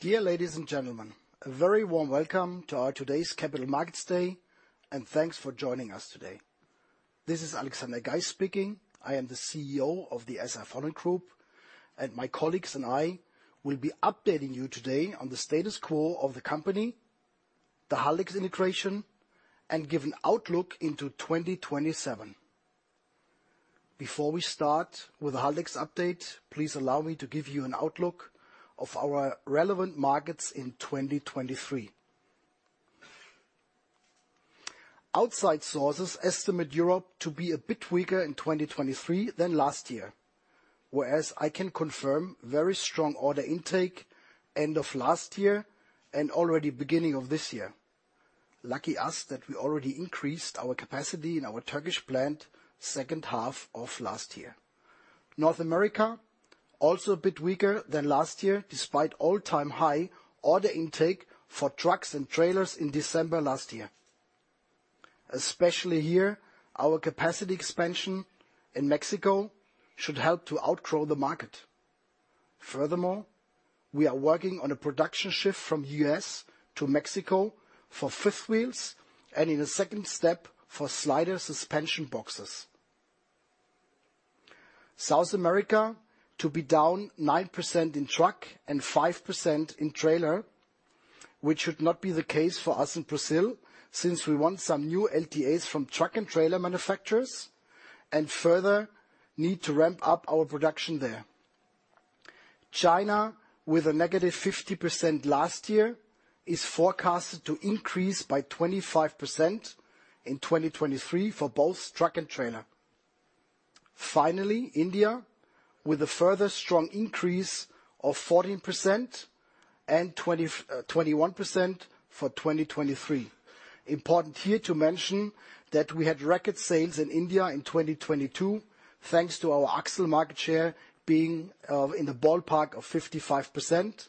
Dear ladies and gentlemen, a very warm welcome to our today's Capital Markets Day. Thanks for joining us today. This is Alexander Geis speaking. I am the CEO of the SAF-HOLLAND Group. My colleagues and I will be updating you today on the status quo of the company, the Haldex integration, and give an outlook into 2027. Before we start with the Haldex update, please allow me to give you an outlook of our relevant markets in 2023. Outside sources estimate Europe to be a bit weaker in 2023 than last year, whereas I can confirm very strong order intake end of last year and already beginning of this year. Lucky us that we already increased our capacity in our Turkish plant second half of last year. North America also a bit weaker than last year, despite all-time high order intake for trucks and trailers in December last year. Especially here, our capacity expansion in Mexico should help to outgrow the market. Furthermore, we are working on a production shift from U.S. to Mexico for fifth wheels, and in a second step, for sliding frame suspension. South America to be down 9% in truck and 5% in trailer, which should not be the case for us in Brazil since we won some new LTAs from truck and trailer manufacturers and further need to ramp up our production there. China, with a -50% last year, is forecasted to increase by 25% in 2023 for both truck and trailer. Finally, India with a further strong increase of 14% and 21% for 2023. Important here to mention that we had record sales in India in 2022, thanks to our axle market share being, in the ballpark of 55%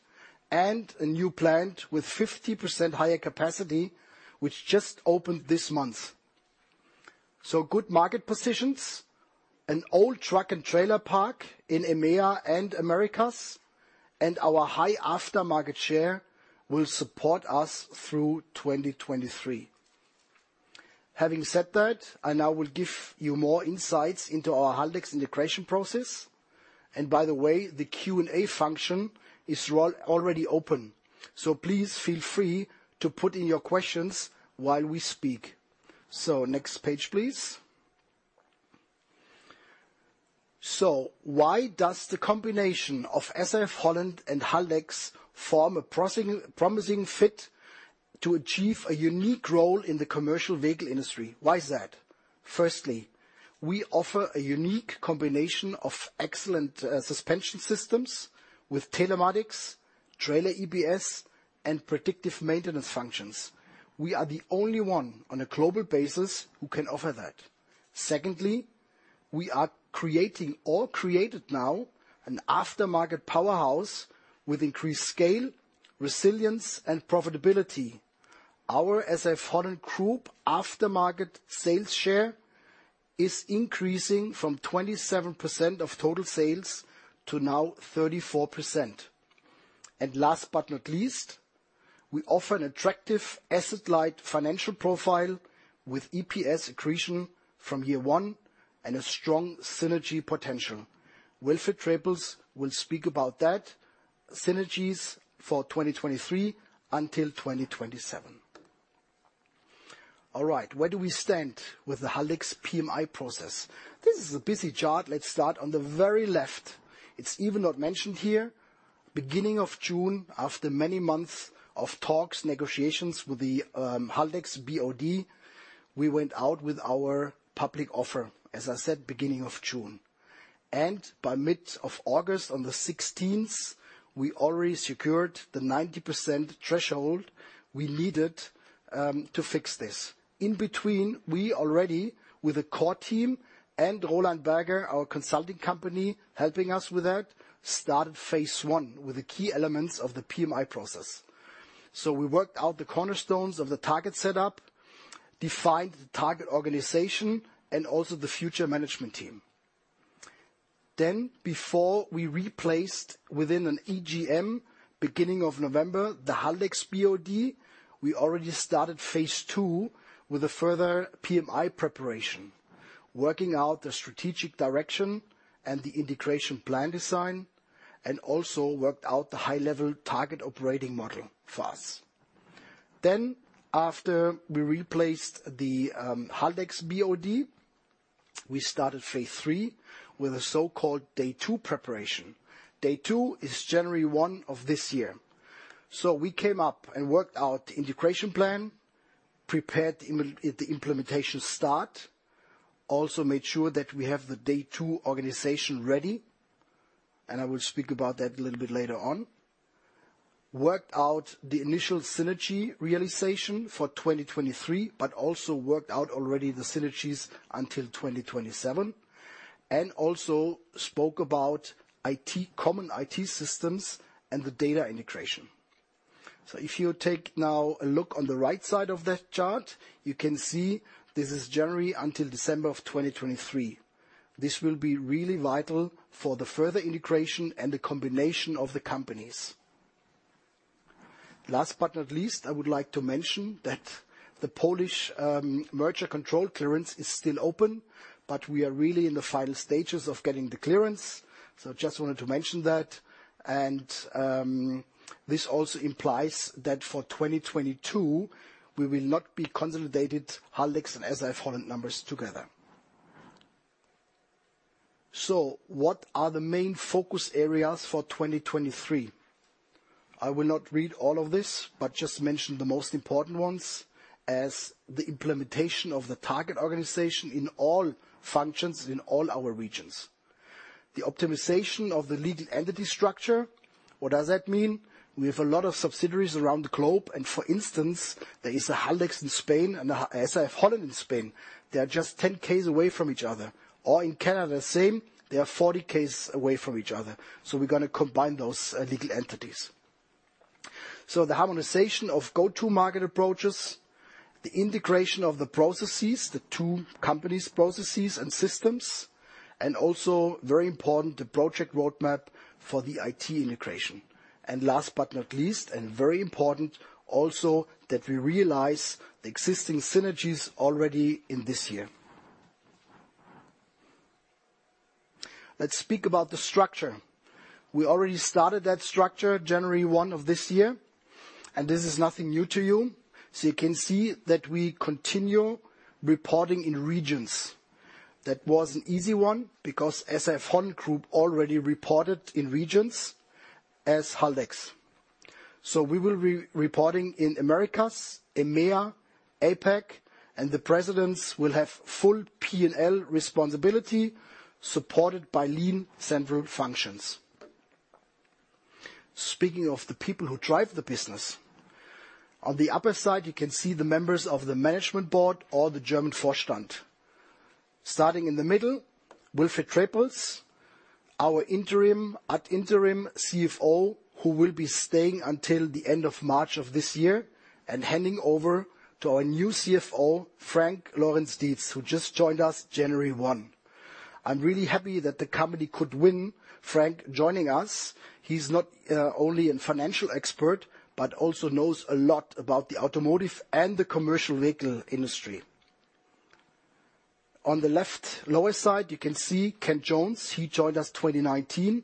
and a new plant with 50% higher capacity, which just opened this month. Good market positions and old truck and trailer park in EMEA and Americas and our high aftermarket share will support us through 2023. Having said that, I now will give you more insights into our Haldex integration process. By the way, the Q&A function is already open, so please feel free to put in your questions while we speak. Next page, please. Why does the combination of SAF-HOLLAND and Haldex form a promising fit to achieve a unique role in the commercial vehicle industry? Why is that? Firstly, we offer a unique combination of excellent suspension systems with telematics, Trailer EBS, and predictive maintenance functions. We are the only one on a global basis who can offer that. Secondly, we are creating or created now an aftermarket powerhouse with increased scale, resilience, and profitability. Our SAF-HOLLAND Group aftermarket sales share is increasing from 27% of total sales to now 34%. Last but not least, we offer an attractive asset-light financial profile with EPS accretion from year one and a strong synergy potential. Wilfried Trepels will speak about that, synergies for 2023 until 2027. All right, where do we stand with the Haldex PMI process? This is a busy chart. Let's start on the very left. It's even not mentioned here. Beginning of June, after many months of talks, negotiations with the Haldex BOD, we went out with our public offer, as I said, beginning of June. By mid of August, on the 16th, we already secured the 90% threshold we needed to fix this. In between, we already with a core team and Roland Berger, our consulting company helping us with that, started phase I with the key elements of the PMI process. We worked out the cornerstones of the target setup, defined the target organization, and also the future management team. Before we replaced within an EGM, beginning of November, the Haldex BOD, we already started phase II with a further PMI preparation, working out the strategic direction and the integration plan design, and also worked out the high-level target operating model for us. After we replaced the Haldex BOD, we started phase III with a so-called day two preparation. Day two is January 1 of this year. We came up and worked out the integration plan, prepared the implementation start, also made sure that we have the day two organization ready, and I will speak about that a little bit later on. Worked out the initial synergy realization for 2023, but also worked out already the synergies until 2027 and also spoke about IT, common IT systems and the data integration. If you take now a look on the right side of that chart, you can see this is January until December of 2023. This will be really vital for the further integration and the combination of the companies. Last but not least, I would like to mention that the Polish merger control clearance is still open. We are really in the final stages of getting the clearance. Just wanted to mention that. This also implies that for 2022 we will not be consolidated Haldex and SAF-HOLLAND numbers together. What are the main focus areas for 2023? I will not read all of this, just mention the most important ones as the implementation of the target organization in all functions in all our regions. The optimization of the legal entity structure. What does that mean? We have a lot of subsidiaries around the globe. For instance, there is a Haldex in Spain and a SAF-HOLLAND in Spain. They are just 10 Ks away from each other. In Canada, same. They are 40 Ks away from each other. We're gonna combine those legal entities. The harmonization of go-to-market approaches, the integration of the processes, the two companies' processes and systems, and also very important, the project roadmap for the IT integration. Last but not least, and very important also, that we realize the existing synergies already in this year. Let's speak about the structure. We already started that structure January 1 of this year. This is nothing new to you. You can see that we continue reporting in regions. That was an easy one because SAF-HOLLAND Group already reported in regions as Haldex. We will be reporting in Americas, EMEA, APAC, and the presidents will have full P&L responsibility, supported by lean central functions. Speaking of the people who drive the business, on the upper side you can see the members of the management board or the German Vorstand. Starting in the middle, Wilfried Trepels, our interim, ad interim CFO, who will be staying until the end of March of this year and handing over to our new CFO, Frank Lorenz-Dietz, who just joined us January 1. I'm really happy that the company could win Frank joining us. He's not only a financial expert, but also knows a lot about the automotive and the commercial vehicle industry. On the left lower side, you can see Kent Jones. He joined us 2019.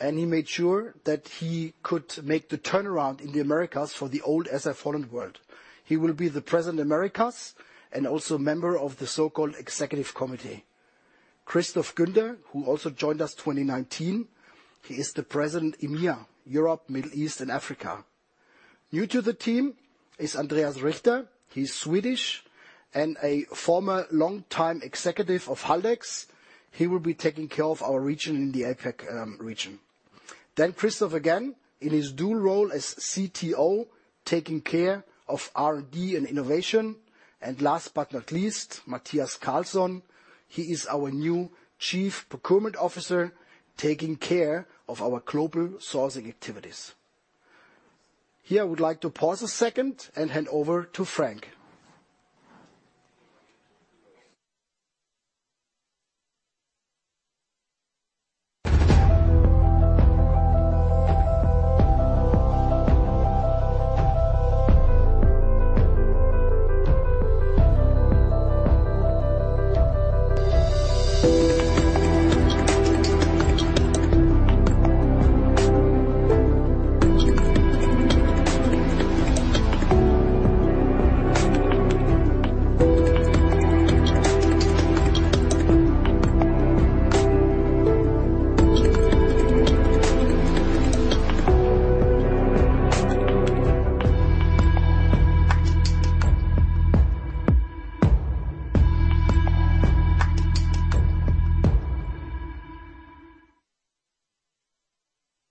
He made sure that he could make the turnaround in the Americas for the old SAF-HOLLAND world. He will be the President, Americas and also a member of the so-called executive committee. Christoph Günter, who also joined us 2019, he is the President EMEA, Europe, Middle East and Africa. New to the team is Andreas Richter. He's Swedish and a former longtime executive of Haldex. He will be taking care of our region in the APAC region. Christoph again in his dual role as CTO, taking care of R&D and innovation. Last but not least, Mathias Carlsson. He is our new Chief Procurement Officer, taking care of our global sourcing activities. Here I would like to pause a second and hand over to Frank.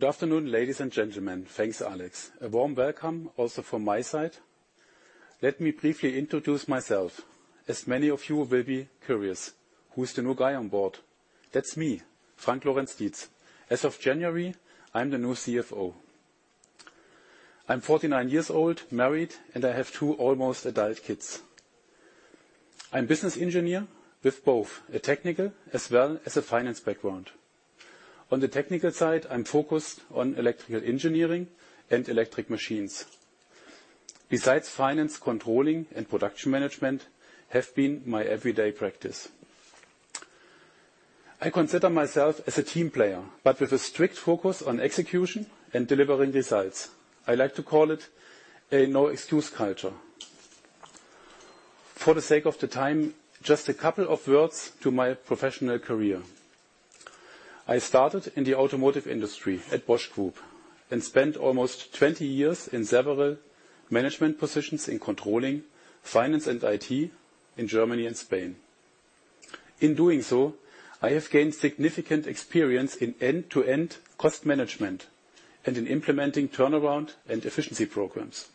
Good afternoon, ladies and gentlemen. Thanks, Alex. A warm welcome also from my side. Let me briefly introduce myself, as many of you will be curious, who's the new guy on board? That's me, Frank Lorenz-Dietz. As of January, I'm the new CFO. I'm 49 years old, married, and I have two almost adult kids. I'm business engineer with both a technical as well as a finance background. On the technical side, I'm focused on electrical engineering and electric machines. Besides finance, controlling and production management have been my everyday practice. I consider myself as a team player, with a strict focus on execution and delivering results. I like to call it a no excuse culture. For the sake of the time, just a couple of words to my professional career. I started in the automotive industry at Bosch Group and spent almost 20 years in several management positions in controlling, finance, and IT in Germany and Spain. In doing so, I have gained significant experience in end-to-end cost management and in implementing turnaround and efficiency programs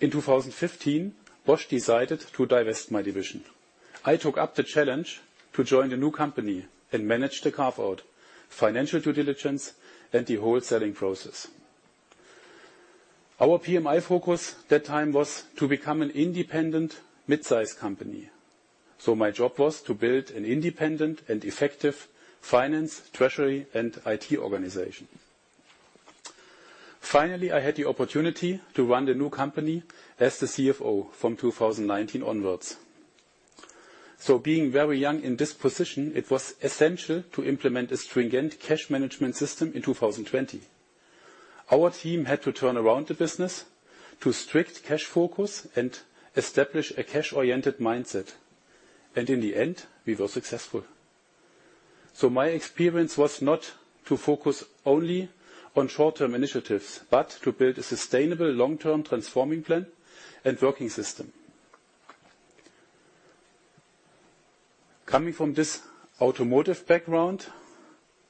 In 2015, Bosch decided to divest my division. I took up the challenge to join the new company and manage the carve-out, financial due diligence, and the whole selling process. Our PMI focus that time was to become an independent midsize company, so my job was to build an independent and effective finance, treasury, and IT organization. Finally, I had the opportunity to run the new company as the CFO from 2019 onwards. Being very young in this position, it was essential to implement a stringent cash management system in 2020. Our team had to turn around the business to strict cash focus and establish a cash-oriented mindset. In the end, we were successful. My experience was not to focus only on short-term initiatives, but to build a sustainable long-term transforming plan and working system. Coming from this automotive background,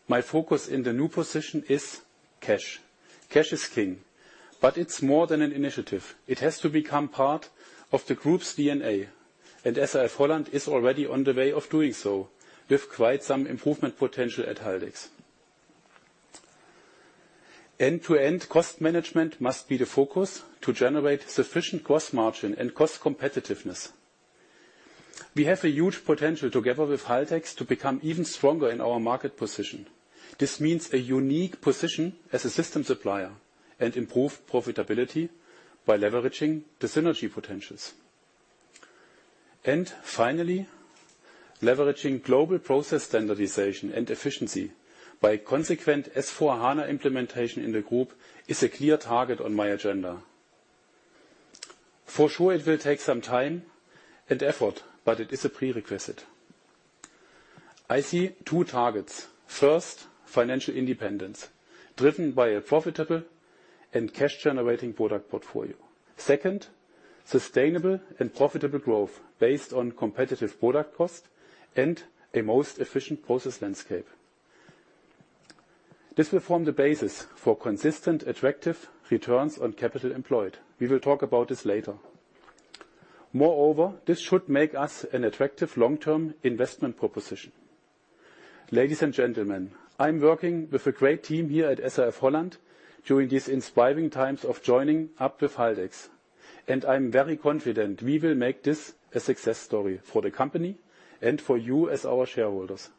my focus in the new position is cash. Cash is king, but it's more than an initiative. It has to become part of the group's DNA. SAF-HOLLAND is already on the way of doing so with quite some improvement potential at Haldex. End-to-end cost management must be the focus to generate sufficient gross margin and cost competitiveness. We have a huge potential together with Haldex to become even stronger in our market position. This means a unique position as a system supplier and improve profitability by leveraging the synergy potentials. Finally, leveraging global process standardization and efficiency by consequent S/4HANA implementation in the group is a clear target on my agenda. For sure, it will take some time and effort, but it is a prerequisite. I see two targets. First, financial independence driven by a profitable and cash-generating product portfolio. Second, sustainable and profitable growth based on competitive product cost and a most efficient process landscape. This will form the basis for consistent, attractive returns on capital employed. We will talk about this later. Moreover, this should make us an attractive long-term investment proposition. Ladies and gentlemen, I'm working with a great team here at SAF-HOLLAND during these inspiring times of joining up with Haldex, and I'm very confident we will make this a success story for the company and for you as our shareholders.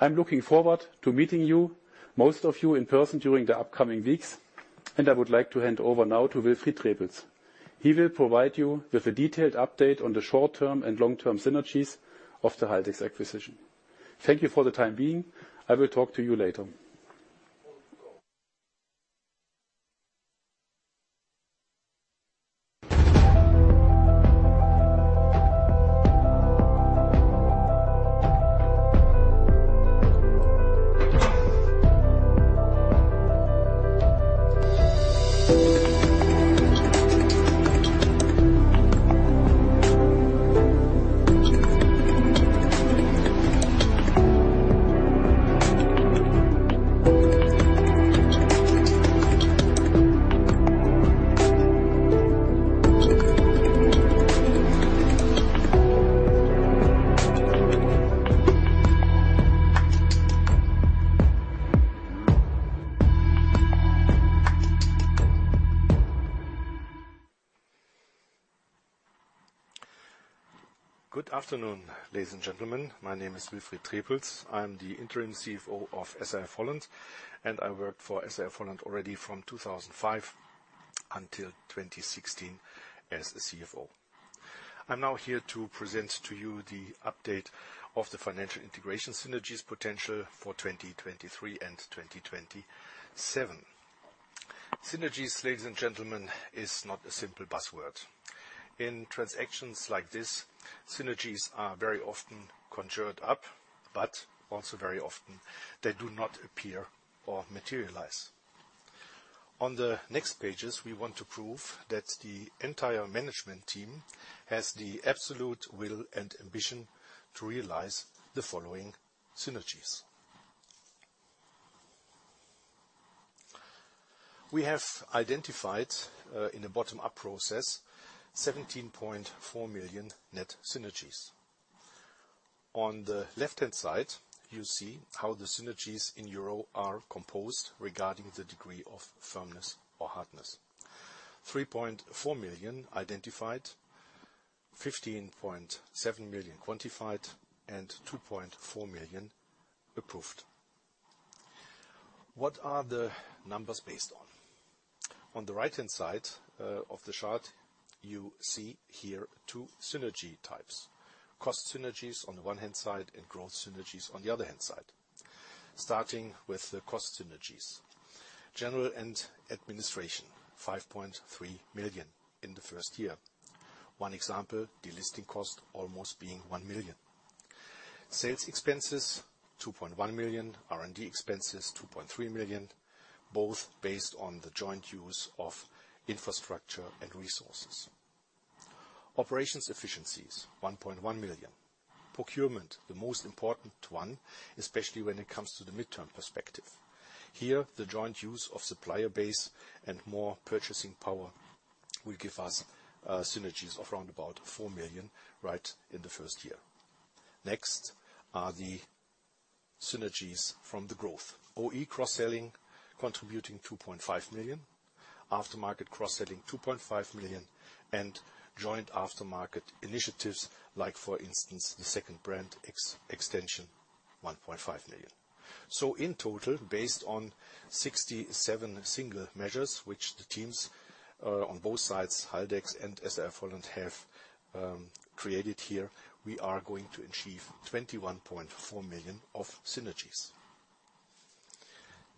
I'm looking forward to meeting you, most of you in person during the upcoming weeks, and I would like to hand over now to Wilfried Trepels. He will provide you with a detailed update on the short-term and long-term synergies of the Haldex acquisition. Thank you for the time being. I will talk to you later. Good afternoon, ladies and gentlemen. My name is Wilfried Trepels. I'm the interim CFO of SAF-HOLLAND. I worked for SAF-HOLLAND already from 2005 until 2016 as the CFO. I'm now here to present to you the update of the financial integration synergies potential for 2023 and 2027. Synergies, ladies and gentlemen, is not a simple buzzword. In transactions like this, synergies are very often conjured up. Also very often they do not appear or materialize. On the next pages, we want to prove that the entire management team has the absolute will and ambition to realize the following synergies. We have identified in the bottom-up process, 17.4 million net synergies. On the left-hand side, you see how the synergies in Euro are composed regarding the degree of firmness or hardness. 3.4 million identified, 15.7 million quantified, and 2.4 million approved. What are the numbers based on? On the right-hand side of the chart, you see here two synergy types, cost synergies on the one hand side and growth synergies on the other hand side. Starting with the cost synergies. General and administration, 5.3 million in the first year. One example, delisting cost almost being 1 million. Sales expenses, 2.1 million. R&D expenses, 2.3 million, both based on the joint use of infrastructure and resources. Operations efficiencies, 1.1 million. Procurement, the most important one, especially when it comes to the midterm perspective. Here, the joint use of supplier base and more purchasing power will give us synergies of 4 million right in the first year. Next are the synergies from the growth. OE cross-selling contributing 2.5 million. Aftermarket cross-selling, 2.5 million. Joint aftermarket initiatives, like for instance, the second brand ex-extension, 1.5 million. In total, based on 67 single measures which the teams on both sides, Haldex and SAF-HOLLAND have created here, we are going to achieve 21.4 million of synergies.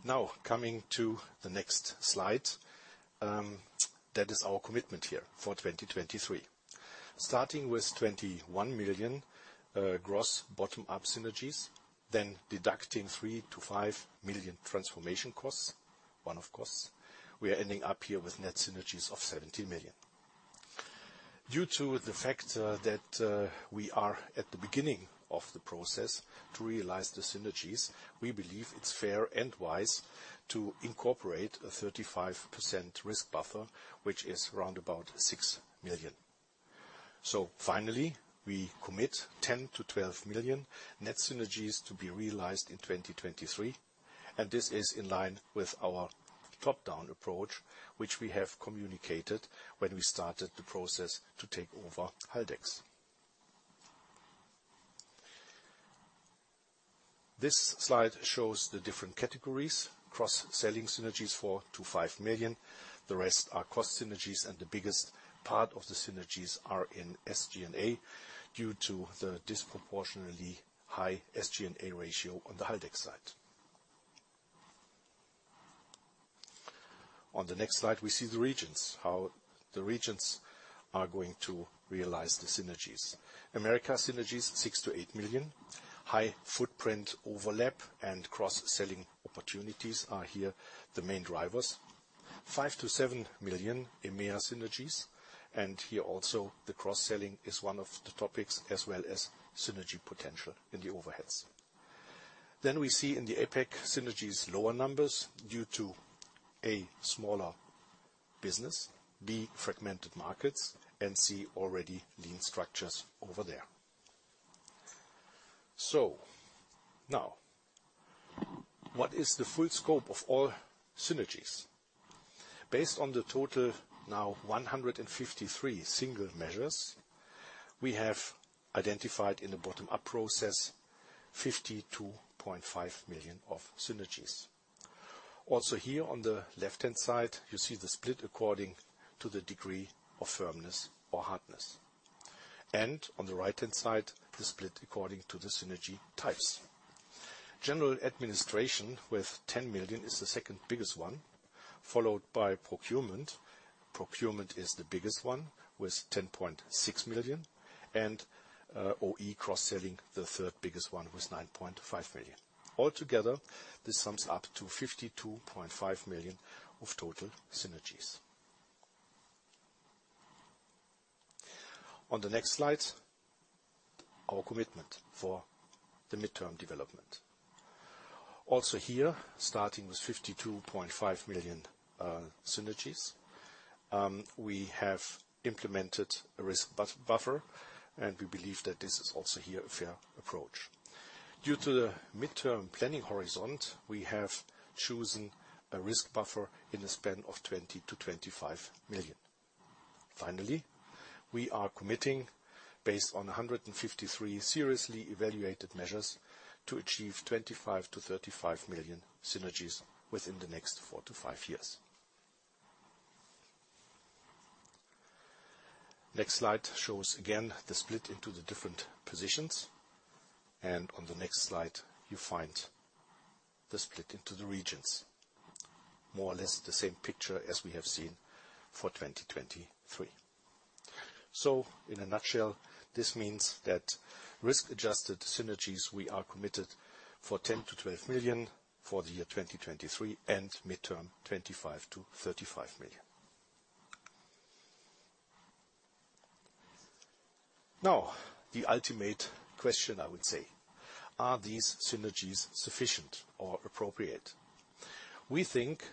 Now, coming to the next slide, that is our commitment here for 2023. Starting with 21 million gross bottom-up synergies, then deducting 3 million-5 million transformation costs, one-off costs, we are ending up here with net synergies of 17 million. Due to the fact that we are at the beginning of the process to realize the synergies, we believe it's fair and wise to incorporate a 35% risk buffer, which is round about 6 million. Finally, we commit 10 million-12 million net synergies to be realized in 2023. This is in line with our top-down approach, which we have communicated when we started the process to take over Haldex. This slide shows the different categories. Cross-selling synergies, 4 million-5 million. The rest are cost synergies. The biggest part of the synergies are in SG&A due to the disproportionately high SG&A ratio on the Haldex side. On the next slide, we see the regions, how the regions are going to realize the synergies. America synergies, 6 million-8 million. High footprint overlap and cross-selling opportunities are here the main drivers. 5 million-7 million EMEA synergies. Here also the cross-selling is one of the topics as well as synergy potential in the overheads. We see in the APAC synergies lower numbers due to A, smaller business, B, fragmented markets, and C, already lean structures over there. What is the full scope of all synergies? Based on the total now 153 single measures, we have identified in the bottom-up process 52.5 million of synergies. Here on the left-hand side, you see the split according to the degree of firmness or hardness. On the right-hand side, the split according to the synergy types. General administration with 10 million is the second biggest one, followed by procurement. Procurement is the biggest one with 10.6 million. OE cross-selling, the third biggest one, with 9.5 million. All together, this sums up to 52.5 million of total synergies. On the next slide, our commitment for the midterm development. Starting with 52.5 million synergies, we have implemented a risk buffer, we believe that this is also here a fair approach. Due to the midterm planning horizon, we have chosen a risk buffer in the span of 20 million-25 million. Finally, we are committing based on 153 seriously evaluated measures to achieve 25 million-35 million synergies within the next four-five years. Next slide shows again the split into the different positions, on the next slide you find the split into the regions. More or less the same picture as we have seen for 2023. In a nutshell, this means that risk-adjusted synergies, we are committed for 10 million-12 million for the year 2023 and midterm, 25 million-35 million. The ultimate question I would say, are these synergies sufficient or appropriate? We think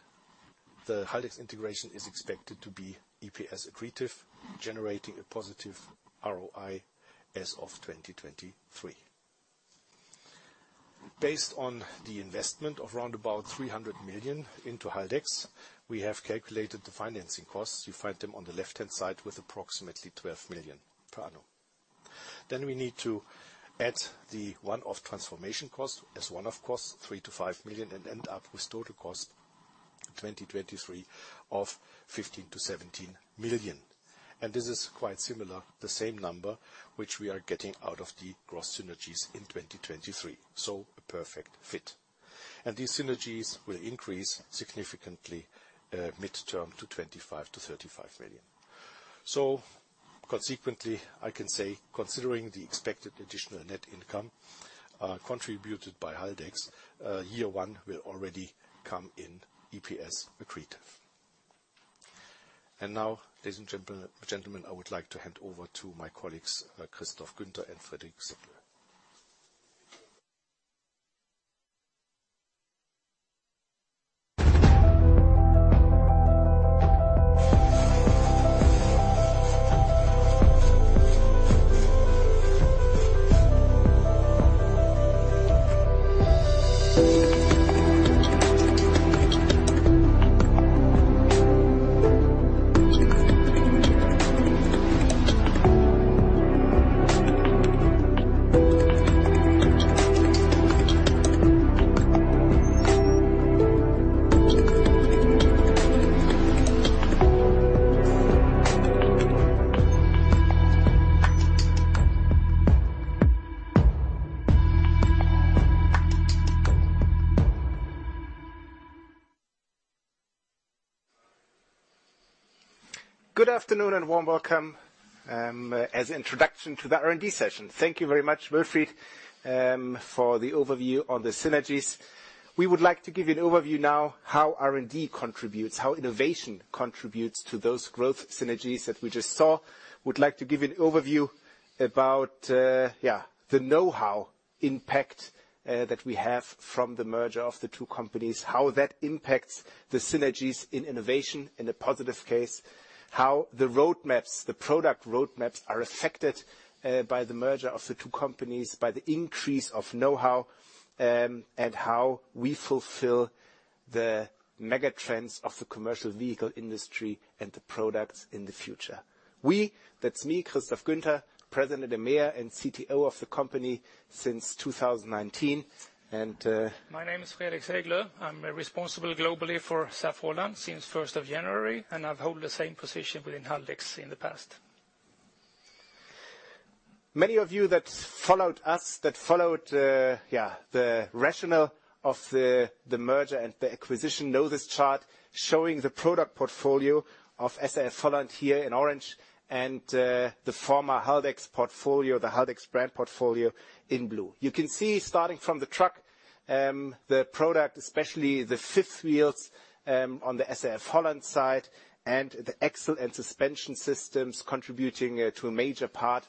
the Haldex integration is expected to be EPS accretive, generating a positive ROI as of 2023. Based on the investment of round about 300 million into Haldex, we have calculated the financing costs. You find them on the left-hand side with approximately 12 million per annum. We need to add the one-off transformation cost as one-off cost, 3 million-5 million, and end up with total cost in 2023 of 15 million-17 million. This is quite similar, the same number, which we are getting out of the gross synergies in 2023. A perfect fit. These synergies will increase significantly, midterm to 25 million-35 million. Consequently, I can say considering the expected additional net income contributed by Haldex, year one will already come in EPS accretive. Now, ladies and gentlemen, I would like to hand over to my colleagues, Christoph Günter and Frederik Segler. Good afternoon and warm welcome, as introduction to the R&D session. Thank you very much, Wilfried, for the overview on the synergies. We would like to give you an overview now how R&D contributes, how innovation contributes to those growth synergies that we just saw. Would like to give an overview about the knowhow impact that we have from the merger of the two companies, how that impacts the synergies in innovation in a positive case, how the road maps, the product road maps, are affected by the merger of the two companies, by the increase of knowhow, and how we fulfill the megatrends of the commercial vehicle industry and the products in the future. We, that's me, Christoph Günter, President EMEA and CTO of the company since 2019, and My name is Frederik Segler. I'm responsible globally for SAF-HOLLAND since first of January, and I've held the same position within Haldex in the past. Many of you that followed us, that followed, yeah, the rationale of the merger and the acquisition know this chart showing the product portfolio of SAF-HOLLAND here in orange and the former Haldex portfolio, the Haldex brand portfolio in blue. You can see starting from the truck, the product, especially the fifth wheels, on the SAF-HOLLAND side and the axle and suspension systems contributing to a major part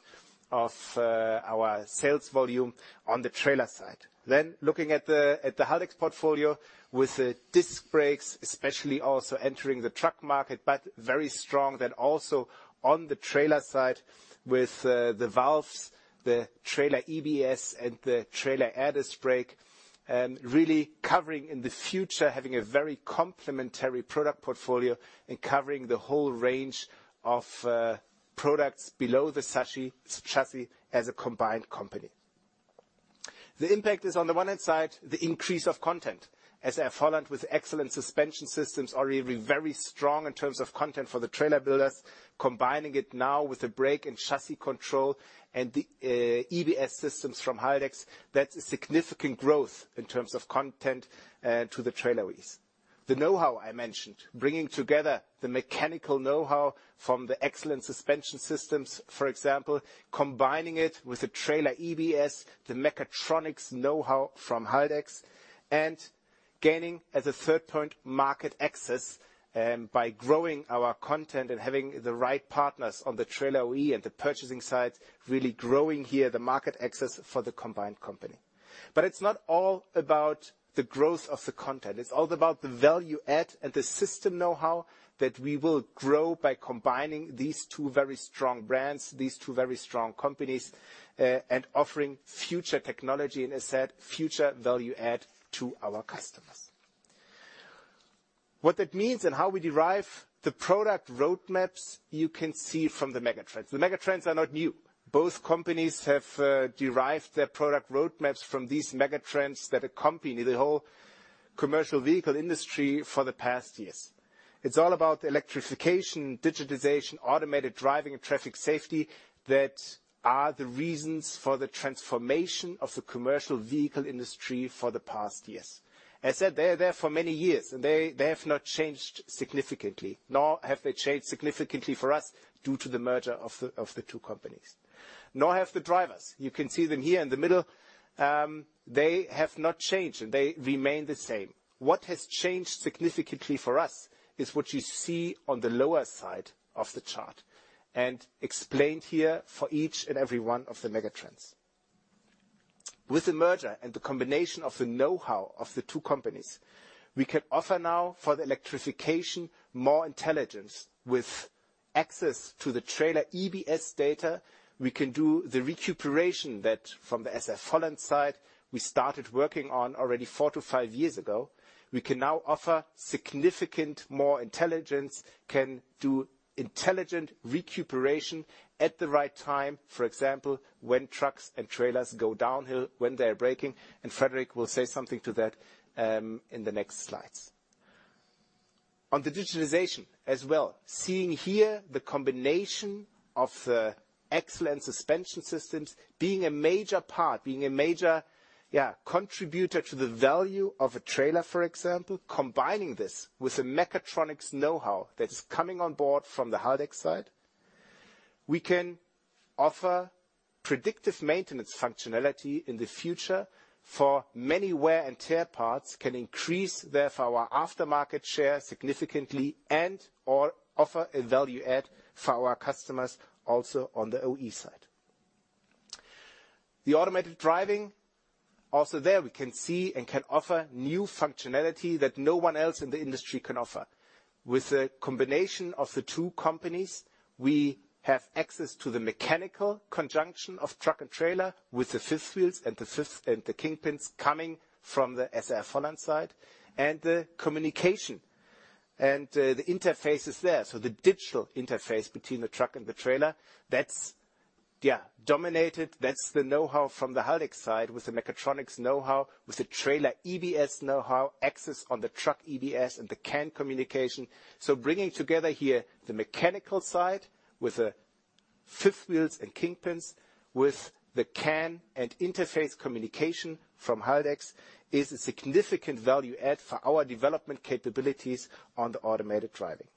of our sales volume on the trailer side. Looking at the Haldex portfolio with the Disc Brakes especially also entering the truck market, but very strong then also on the trailer side with the valves, the Trailer EBS and the trailer air disc brake, really covering in the future, having a very complementary product portfolio and covering the whole range of products below the chassis as a combined company. The impact is on the one hand side, the increase of content. SAF-HOLLAND with excellent suspension systems already very strong in terms of content for the trailer builders. Combining it now with the brake and chassis control and the EBS systems from Haldex, that's a significant growth in terms of content to the trailer lease. The know-how I mentioned, bringing together the mechanical know-how from the excellent suspension systems, for example, combining it with the Trailer EBS, the mechatronics know-how from Haldex and gaining, as a third point, market access, by growing our content and having the right partners on the trailer lease and the purchasing side, really growing here the market access for the combined company. It's not all about the growth of the content. It's all about the value add and the system know-how that we will grow by combining these two very strong brands, these two very strong companies, and offering future technology and asset, future value add to our customers. What that means and how we derive the product road maps, you can see from the megatrends. The megatrends are not new. Both companies have derived their product road maps from these megatrends that accompany the whole commercial vehicle industry for the past years. It's all about electrification, digitization, automated driving and traffic safety that are the reasons for the transformation of the commercial vehicle industry for the past years. As said, they are there for many years, and they have not changed significantly, nor have they changed significantly for us due to the merger of the, of the two companies, nor have the drivers. You can see them here in the middle. They have not changed. They remain the same. What has changed significantly for us is what you see on the lower side of the chart and explained here for each and every one of the megatrends. With the merger and the combination of the knowhow of the two companies, we can offer now for the electrification more intelligence. With access to the trailer EBS data, we can do the recuperation that from the SAF-HOLLAND side we started working on already four-five years ago. We can now offer significant more intelligence, can do intelligent recuperation at the right time. For example, when trucks and trailers go downhill, when they are braking, and Frederik will say something to that in the next slides. On the digitalization as well, seeing here the combination of excellent suspension systems being a major part, being a major contributor to the value of a trailer, for example, combining this with the mechatronics knowhow that is coming on board from the Haldex side. We can offer predictive maintenance functionality in the future for many wear and tear parts, can increase therefore our aftermarket share significantly, and or offer a value add for our customers also on the OE side. The automated driving, also there we can see and can offer new functionality that no one else in the industry can offer. With the combination of the two companies, we have access to the mechanical conjunction of truck and trailer with the fifth wheels and the Kingpins coming from the SAF-HOLLAND side, and the communication and the interface is there. The digital interface between the truck and the trailer, that's dominated. That's the know-how from the Haldex side with the mechatronics know-how, with the Trailer EBS know-how, access on the truck EBS and the CAN communication. Bringing together here the mechanical side with the fifth wheels and Kingpins, with the CAN and interface communication from Haldex, is a significant value add for our development capabilities on the automated driving.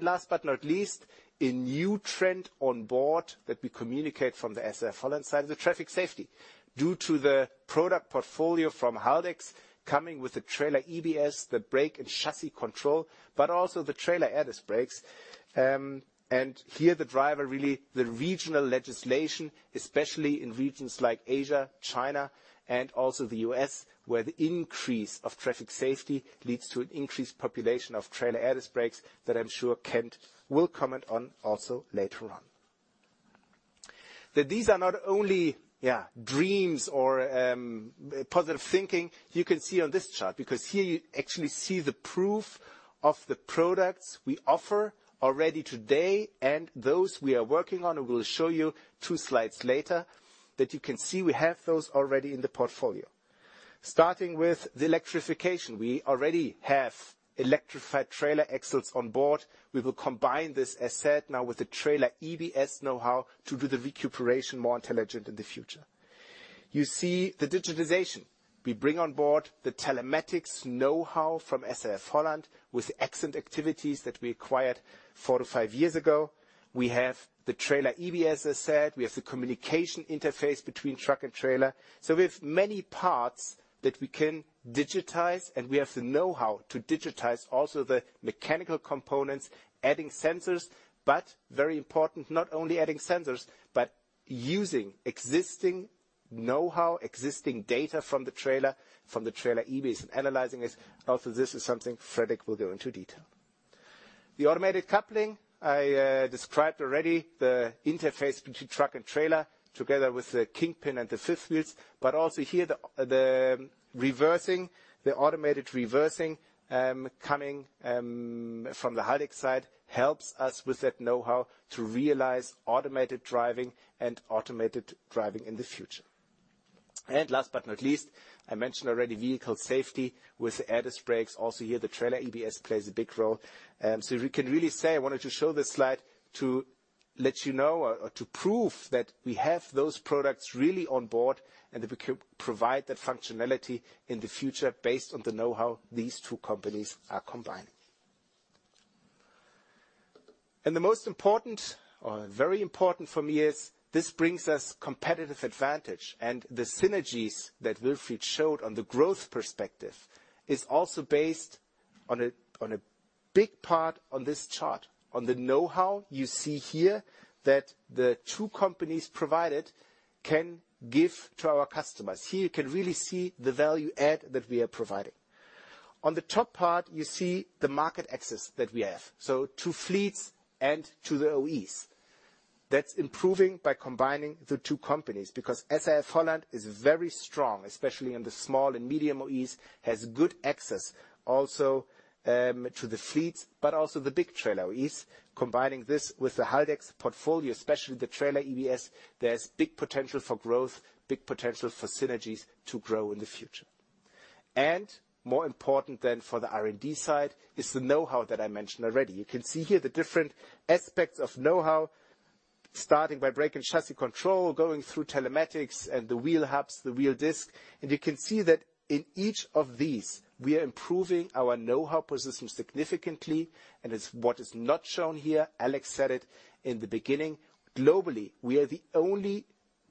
Last but not least, a new trend on board that we communicate from the SAF-HOLLAND side is the traffic safety. Due to the product portfolio from Haldex coming with the Trailer EBS, the brake and chassis control, but also the trailer air disc brakes. Here the driver really, the regional legislation, especially in regions like Asia, China, and also the U.S., where the increase of traffic safety leads to an increased population of trailer air disc brakes that I'm sure Kent will comment on also later on. These are not only, yeah, dreams or positive thinking, you can see on this chart, because here you actually see the proof of the products we offer already today and those we are working on and we'll show you two slides later, that you can see we have those already in the portfolio. Starting with the electrification, we already have electrified trailer axles on board. We will combine this asset now with the Trailer EBS know-how to do the recuperation more intelligent in the future. You see the digitization. We bring on board the telematics know-how from SAF-HOLLAND with excellent activities that we acquired four-five years ago. We have the Trailer EBS asset, we have the communication interface between truck and trailer. We have many parts that we can digitize, and we have the know-how to digitize also the mechanical components, adding sensors, but very important, not only adding sensors, but using existing know-how, existing data from the trailer, from the Trailer EBS and analyzing it. This is something Frederik will go into detail. The automated coupling, I described already the interface between truck and trailer together with the Kingpin and the fifth wheels. Also here the reversing, the automated reversing, coming from the Haldex side helps us with that know-how to realize automated driving and automated driving in the future. Last but not least, I mentioned already vehicle safety with the air disc brakes. Also here, the Trailer EBS plays a big role. We can really say I wanted to show this slide to let you know or to prove that we have those products really on board and that we can provide that functionality in the future based on the know-how these two companies are combining. The most important or very important for me is this brings us competitive advantage. The synergies that Wilfried showed on the growth perspective is also based on a big part on this chart, on the know-how you see here that the two companies provided can give to our customers. Here you can really see the value add that we are providing. On the top part, you see the market access that we have, so to fleets and to the OEs. That's improving by combining the two companies because SAF-HOLLAND is very strong, especially in the small and medium OEs, has good access also to the fleets, but also the big trailer OEs. Combining this with the Haldex portfolio, especially the Trailer EBS, there's big potential for growth, big potential for synergies to grow in the future. More important than for the R&D side is the know-how that I mentioned already. You can see here the different aspects of know-how, starting by brake and chassis control, going through telematics and the wheel hubs, the wheel disc. You can see that in each of these, we are improving our know-how position significantly. It's what is not shown here, Alex said it in the beginning, globally, we are the only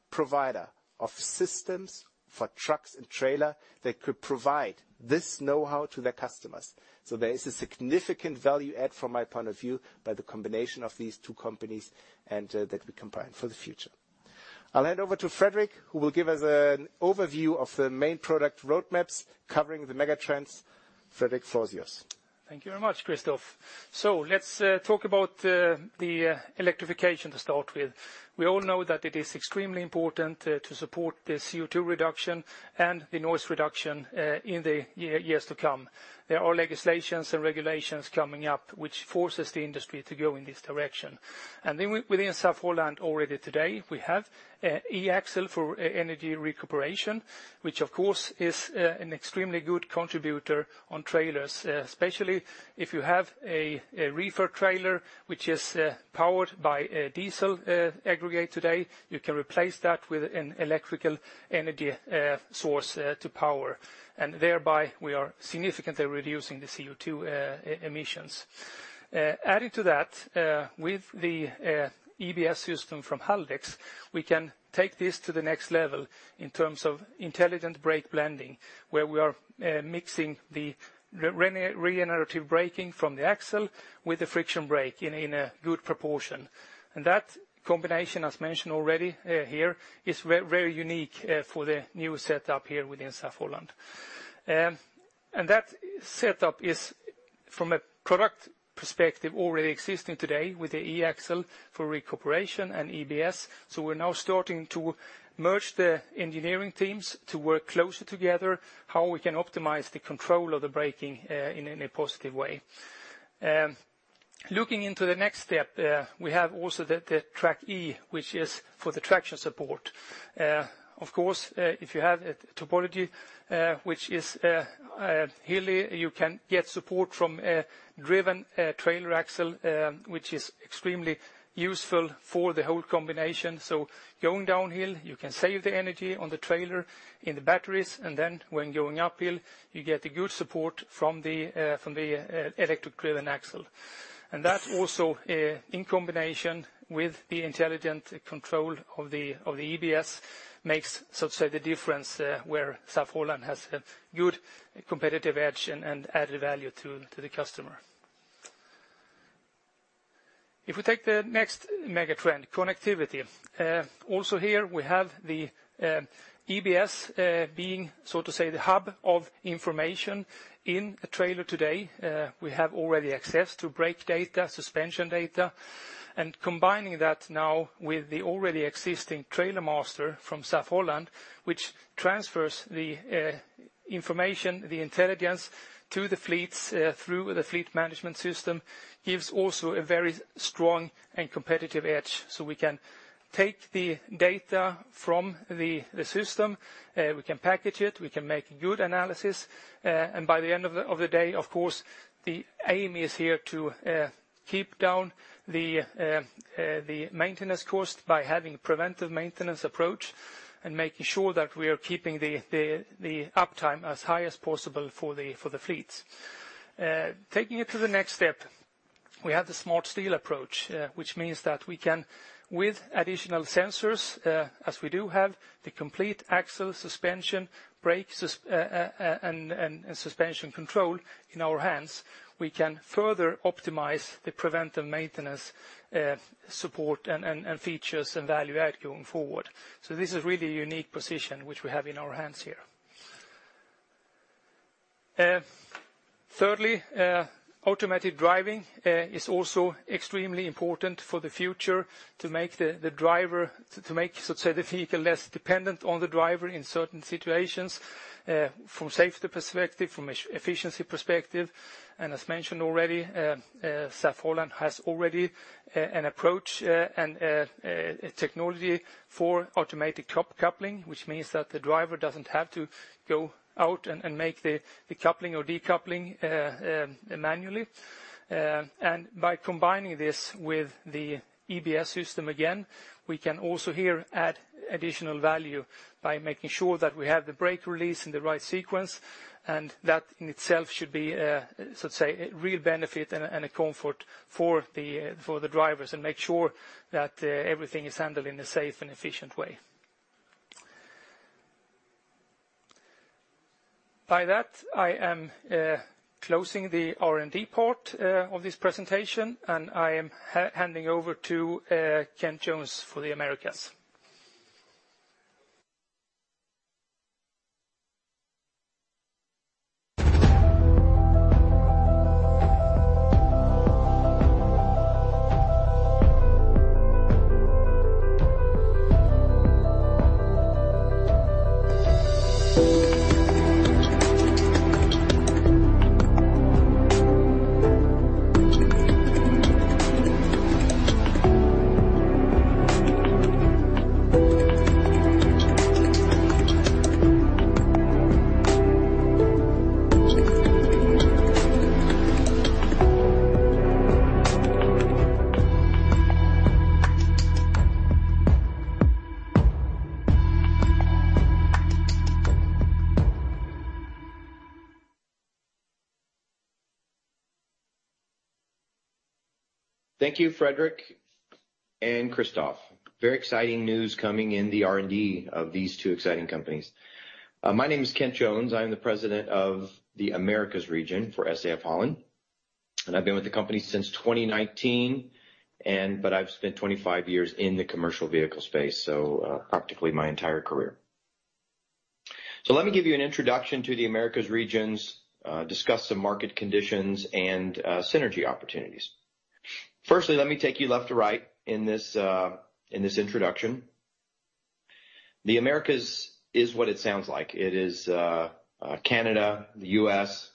provider of systems for trucks and trailer that could provide this know-how to their customers. There is a significant value add from my point of view by the combination of these two companies and that we combine for the future. I'll hand over to Frederik, who will give us an overview of the main product roadmaps covering the mega trends. Frederik Segler. Thank you very much, Christoph. Let's talk about the electrification to start with. We all know that it is extremely important to support the CO2 reduction and the noise reduction in the years to come. There are legislations and regulations coming up which forces the industry to go in this direction. Within SAF-HOLLAND already today, we have an e-axle for energy recuperation, which of course is an extremely good contributor on trailers, especially if you have a reefer trailer which is powered by a diesel aggregate today. You can replace that with an electrical energy source to power, and thereby we are significantly reducing the CO2 emissions. Adding to that, with the EBS system from Haldex, we can take this to the next level in terms of intelligent brake blending, where we are mixing the regenerative braking from the axle with the friction brake in a good proportion. That combination, as mentioned already, here, is very unique for the new setup here within SAF-HOLLAND. That setup is from a product perspective already existing today with the e-axle for recuperation and EBS. We're now starting to merge the engineering teams to work closely together, how we can optimize the control of the braking in a positive way. Looking into the next step, we have also the SAF TRAKe, which is for the traction support. Of course, if you have a topology which is hilly, you can get support from a driven trailer axle, which is extremely useful for the whole combination. Going downhill, you can save the energy on the trailer in the batteries, and then when going uphill, you get a good support from the electric driven axle. That also in combination with the intelligent control of the EBS, makes so to say the difference where SAF-HOLLAND has a good competitive edge and added value to the customer. If we take the next mega trend, connectivity. Also here we have the EBS being, so to say, the hub of information in a trailer today. We have already access to brake data, suspension data, and combining that now with the already existing TrailerMaster from SAF-HOLLAND, which transfers the information, the intelligence to the fleets through the fleet management system, gives also a very strong and competitive edge. We can take the data from the system, we can package it, we can make good analysis, and by the end of the day, of course, the aim is here to keep down the maintenance cost by having preventive maintenance approach, and making sure that we are keeping the uptime as high as possible for the fleets. Taking it to the next step, we have the Smart Steel approach, which means that we can, with additional sensors, as we do have the complete axle suspension, brakes and suspension control in our hands, we can further optimize the preventive maintenance, support and features and value add going forward. This is really a unique position which we have in our hands here. Thirdly, automatic driving is also extremely important for the future to make the driver to make so to say the vehicle less dependent on the driver in certain situations, from safety perspective, from efficiency perspective. As mentioned already, SAF-HOLLAND has already an approach and a technology for automated top coupling, which means that the driver doesn't have to go out and make the coupling or decoupling manually. By combining this with the EBS system, again, we can also here add additional value by making sure that we have the brake release in the right sequence, and that in itself should be so to say a real benefit and a comfort for the drivers and make sure that everything is handled in a safe and efficient way. By that, I am closing the R&D part of this presentation, and I am handing over to Kent Jones for the Americas. Thank you, Frederik and Christoph. Very exciting news coming in the R&D of these two exciting companies. My name is Kent Jones. I'm the President of the Americas region for SAF-HOLLAND, and I've been with the company since 2019 but I've spent 25 years in the commercial vehicle space, so, practically my entire career. Let me give you an introduction to the Americas regions, discuss some market conditions and synergy opportunities. Firstly, let me take you left to right in this in this introduction. The Americas is what it sounds like. It is Canada, the U.S.,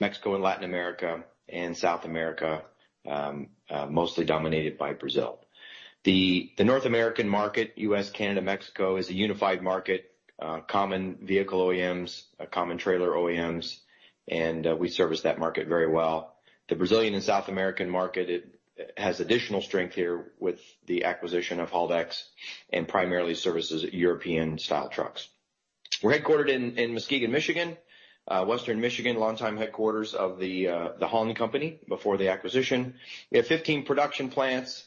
Mexico and Latin America and South America, mostly dominated by Brazil. The North American market, U.S., Canada, Mexico, is a unified market, common vehicle OEMs, common trailer OEMs, and we service that market very well. The Brazilian and South American market has additional strength here with the acquisition of Haldex and primarily services European-style trucks. We're headquartered in Muskegon, Michigan, Western Michigan, longtime headquarters of the Holland company before the acquisition. We have 15 production plants,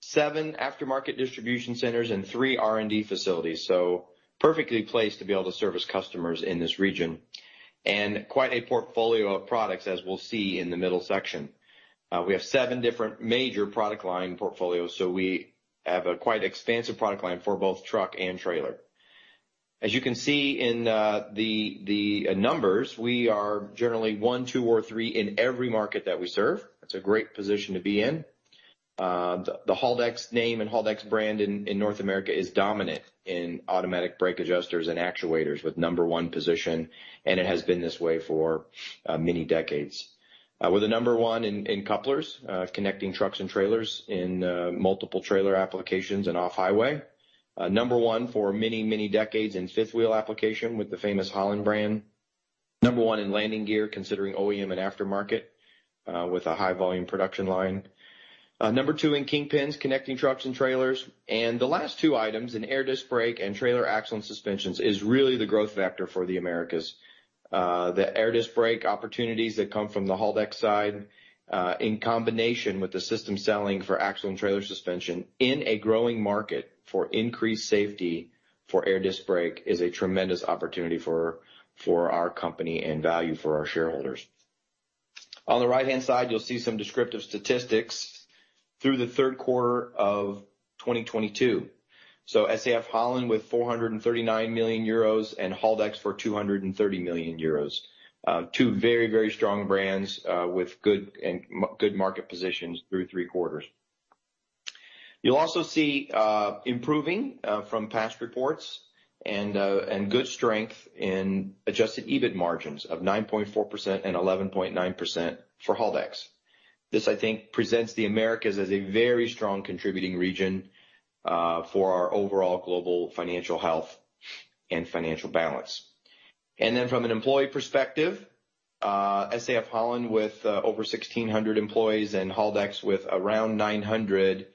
seven aftermarket distribution centers, and three R&D facilities, so perfectly placed to be able to service customers in this region. Quite a portfolio of products, as we'll see in the middle section. We have seven different major product line portfolios, so we have a quite expansive product line for both truck and trailer. As you can see in the numbers, we are generally one, two, or three in every market that we serve. That's a great position to be in. The Haldex name and Haldex brand in North America is dominant in Automatic Brake Adjusters and actuators with number one position, and it has been this way for, many decades. We're the number one in couplers, connecting trucks and trailers in, multiple trailer applications and off-highway. Number one for many, many decades in fifth wheel application with the famous Holland brand. Number one in Landing Gear considering OEM and aftermarket, with a high volume production line. Number two in Kingpins, connecting trucks and trailers. The last two items in air disc brake and trailer axle and suspensions is really the growth vector for the Americas. The air disc brake opportunities that come from the Haldex side, in combination with the system selling for axle and trailer suspension in a growing market for increased safety for air disc brake is a tremendous opportunity for our company and value for our shareholders. On the right-hand side, you'll see some descriptive statistics through the third quarter of 2022. SAF-HOLLAND with 439 million euros and Haldex for 230 million euros. Two very, very strong brands, with good market positions through three quarters. You'll also see improving from past reports and good strength in adjusted EBITDA margins of 9.4% and 11.9% for Haldex. This, I think, presents the Americas as a very strong contributing region for our overall global financial health and financial balance. From an employee perspective, SAF-HOLLAND with over 1,600 employees and Haldex with around 900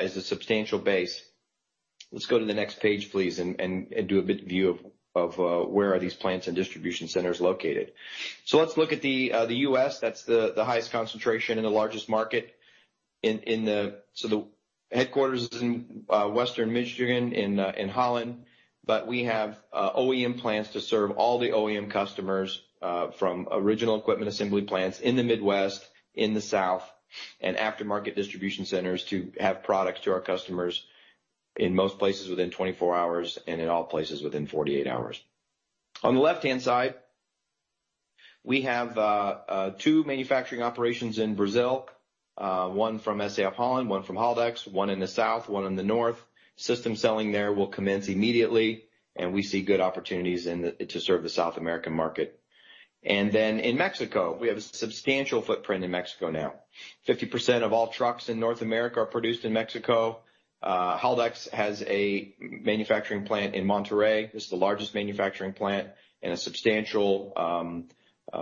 is a substantial base. Let's go to the next page, please, and do a bit view of where are these plants and distribution centers located. Let's look at the U.S. That's the highest concentration and the largest market. The headquarters is in Western Michigan in Holland, but we have OEM plants to serve all the OEM customers from original equipment assembly plants in the Midwest, in the South, and aftermarket distribution centers to have products to our customers in most places within 24 hours and in all places within 48 hours. On the left-hand side, we have two manufacturing operations in Brazil, one from SAF-HOLLAND, one from Haldex, one in the south, one in the north. System selling there will commence immediately. We see good opportunities to serve the South American market. In Mexico, we have a substantial footprint in Mexico now. 50% of all trucks in North America are produced in Mexico. Haldex has a manufacturing plant in Monterrey. This is the largest manufacturing plant and a substantial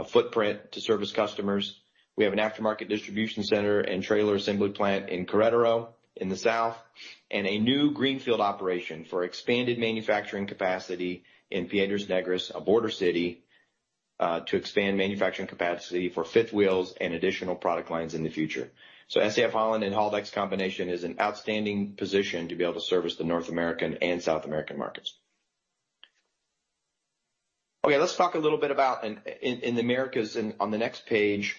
footprint to service customers. We have an aftermarket distribution center and trailer assembly plant in Querétaro in the south, and a new greenfield operation for expanded manufacturing capacity in Piedras Negras, a border city, to expand manufacturing capacity for fifth wheels and additional product lines in the future. SAF-HOLLAND and Haldex combination is an outstanding position to be able to service the North American and South American markets. Okay, let's talk a little bit about in the Americas and on the next page,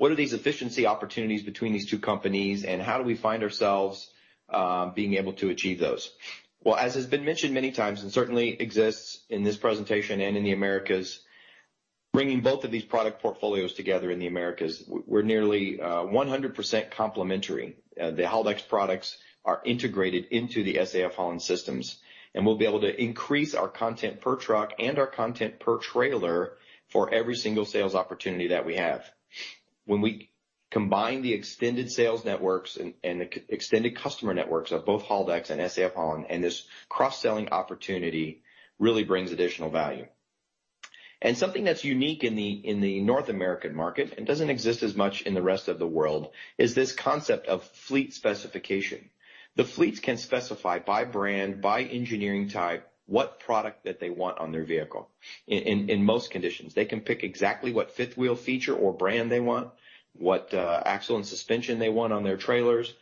what are these efficiency opportunities between these two companies, and how do we find ourselves being able to achieve those? Well, as has been mentioned many times and certainly exists in this presentation and in the Americas, bringing both of these product portfolios together in the Americas, we're nearly 100% complementary. The Haldex products are integrated into the SAF-HOLLAND systems, and we'll be able to increase our content per truck and our content per trailer for every single sales opportunity that we have. When we combine the extended sales networks and the extended customer networks of both Haldex and SAF-HOLLAND, this cross-selling opportunity really brings additional value. Something that's unique in the North American market and doesn't exist as much in the rest of the world is this concept of fleet specification. The fleets can specify by brand, by engineering type what product that they want on their vehicle in most conditions. They can pick exactly what fifth wheel feature or brand they want, what axle and suspension they want on their trailers.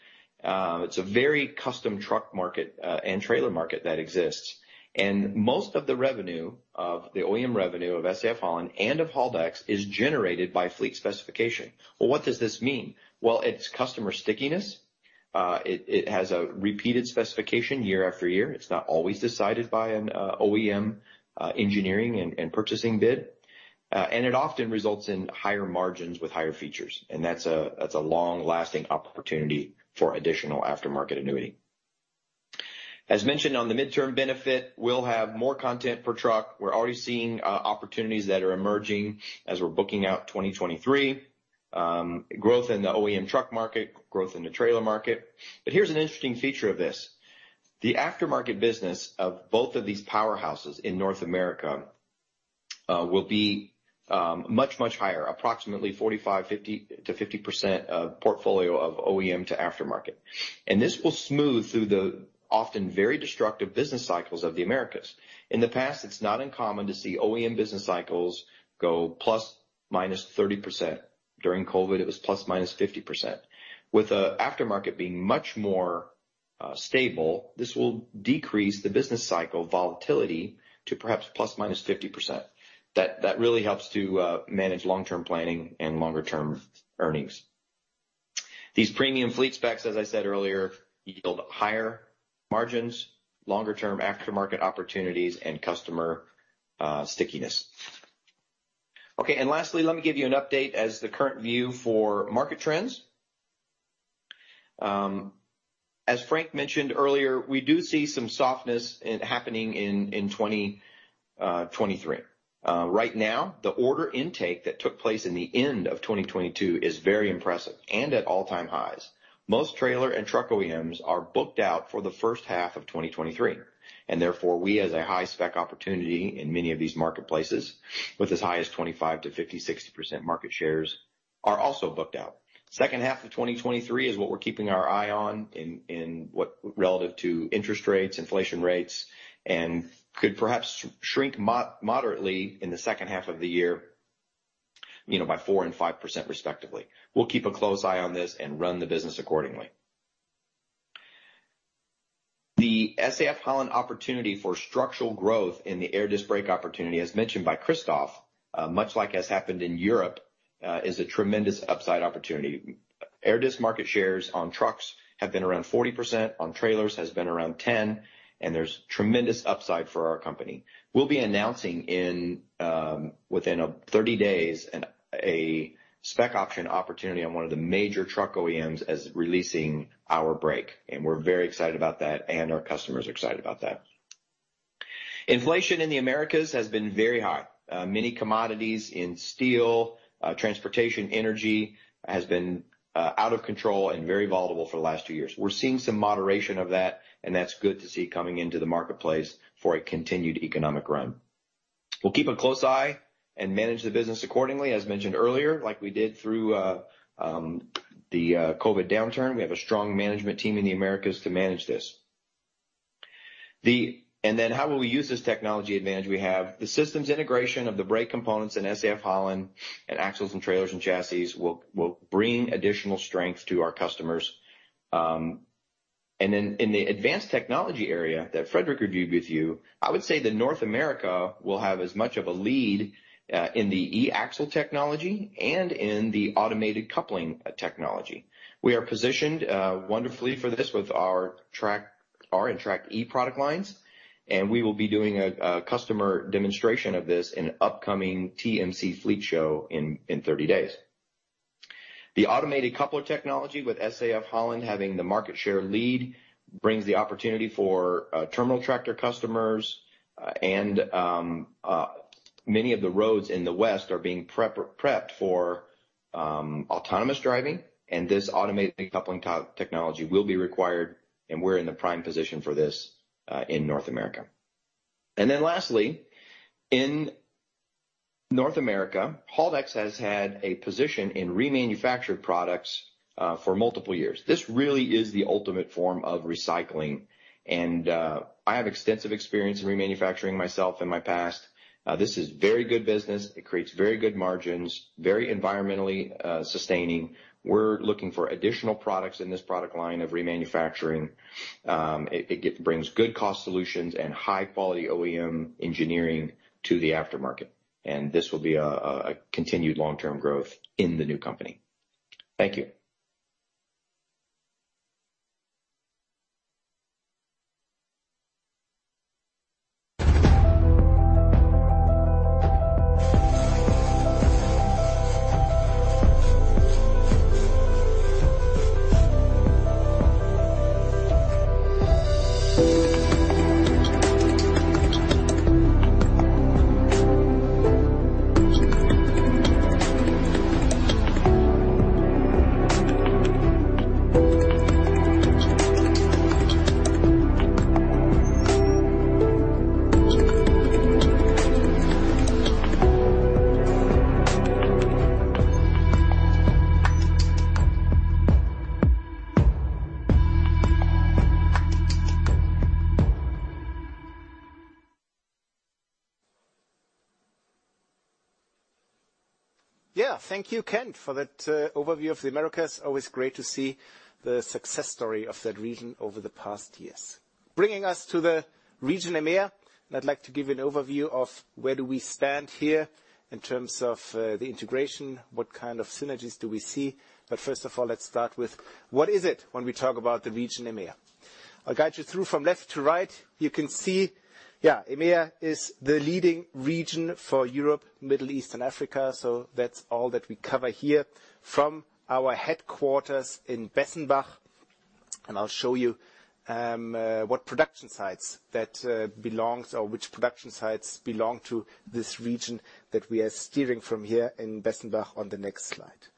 It's a very custom truck market and trailer market that exists. Most of the revenue of the OEM revenue of SAF-HOLLAND and of Haldex is generated by fleet specification. Well, what does this mean? Well, it's customer stickiness. It has a repeated specification year after year. It's not always decided by an OEM engineering and purchasing bid. It often results in higher margins with higher features. That's a long-lasting opportunity for additional aftermarket annuity. As mentioned on the midterm benefit, we'll have more content per truck. We're already seeing opportunities that are emerging as we're booking out 2023. Growth in the OEM truck market, growth in the trailer market. Here's an interesting feature of this. The aftermarket business of both of these powerhouses in North America will be much higher, approximately 45%-50% of portfolio of OEM to aftermarket. This will smooth through the often very destructive business cycles of the Americas. In the past, it's not uncommon to see OEM business cycles go ±30%. During COVID, it was ±50%. With the aftermarket being much more stable, this will decrease the business cycle volatility to perhaps ±50%. That really helps to manage long-term planning and longer-term earnings. These premium fleet specs, as I said earlier, yield higher margins, longer-term aftermarket opportunities, and customer stickiness. Lastly, let me give you an update as the current view for market trends. As Frank mentioned earlier, we do see some softness happening in 2023. Right now, the order intake that took place in the end of 2022 is very impressive, and at all-time highs. Most trailer and truck OEMs are booked out for the first half of 2023. We as a high-spec opportunity in many of these marketplaces, with as high as 25%-50%, 60% market shares, are also booked out. Second half of 2023 is what we're keeping our eye on in what relative to interest rates, inflation rates, and could perhaps shrink moderately in the second half of the year, you know, by 4% and 5% respectively. We'll keep a close eye on this and run the business accordingly. The SAF-HOLLAND opportunity for structural growth in the air disc brake opportunity, as mentioned by Christoph, much like has happened in Europe, is a tremendous upside opportunity. Air disc market shares on trucks have been around 40%, on trailers has been around 10, and there's tremendous upside for our company. We'll be announcing within 30 days a spec option opportunity on one of the major truck OEMs as releasing our brake, and we're very excited about that, and our customers are excited about that. Inflation in the Americas has been very high. Many commodities in steel, transportation, energy has been out of control and very volatile for the last two years. We're seeing some moderation of that, and that's good to see coming into the marketplace for a continued economic run. We'll keep a close eye and manage the business accordingly, as mentioned earlier, like we did through the COVID downturn. We have a strong management team in the Americas to manage this. How will we use this technology advantage we have? The systems integration of the brake components in SAF-HOLLAND and axles and trailers and chassis will bring additional strength to our customers. In the advanced technology area that Frederik reviewed with you, I would say that North America will have as much of a lead in the e-axle technology and in the automated coupling technology. We are positioned wonderfully for this with our SAF TRAKr and SAF TRAKe product lines, and we will be doing a customer demonstration of this in upcoming TMC Fleet Show in 30 days. The automated coupler technology with SAF-HOLLAND having the market share lead brings the opportunity for terminal tractor customers, and many of the roads in the West are being prepped for autonomous driving, and this automated coupling technology will be required, and we're in the prime position for this in North America. Lastly, in North America, Haldex has had a position in remanufactured products for multiple years. This really is the ultimate form of recycling, and I have extensive experience in remanufacturing myself in my past. This is very good business. It creates very good margins, very environmentally sustaining. We're looking for additional products in this product line of remanufacturing. It brings good cost solutions and high-quality OEM engineering to the aftermarket, and this will be a continued long-term growth in the new company. Thank you. Yeah, thank you, Kent, for that overview of the Americas. Always great to see the success story of that region over the past years. Bringing us to the region EMEA. I'd like to give you an overview of where do we stand here in terms of the integration, what kind of synergies do we see? First of all, let's start with what is it when we talk about the region EMEA? I'll guide you through from left to right. You can see, yeah, EMEA is the leading region for Europe, Middle East, and Africa, so that's all that we cover here from our headquarters in Bessenbach. I'll show you what production sites that belongs or which production sites belong to this region that we are steering from here in Bessenbach on the next slide.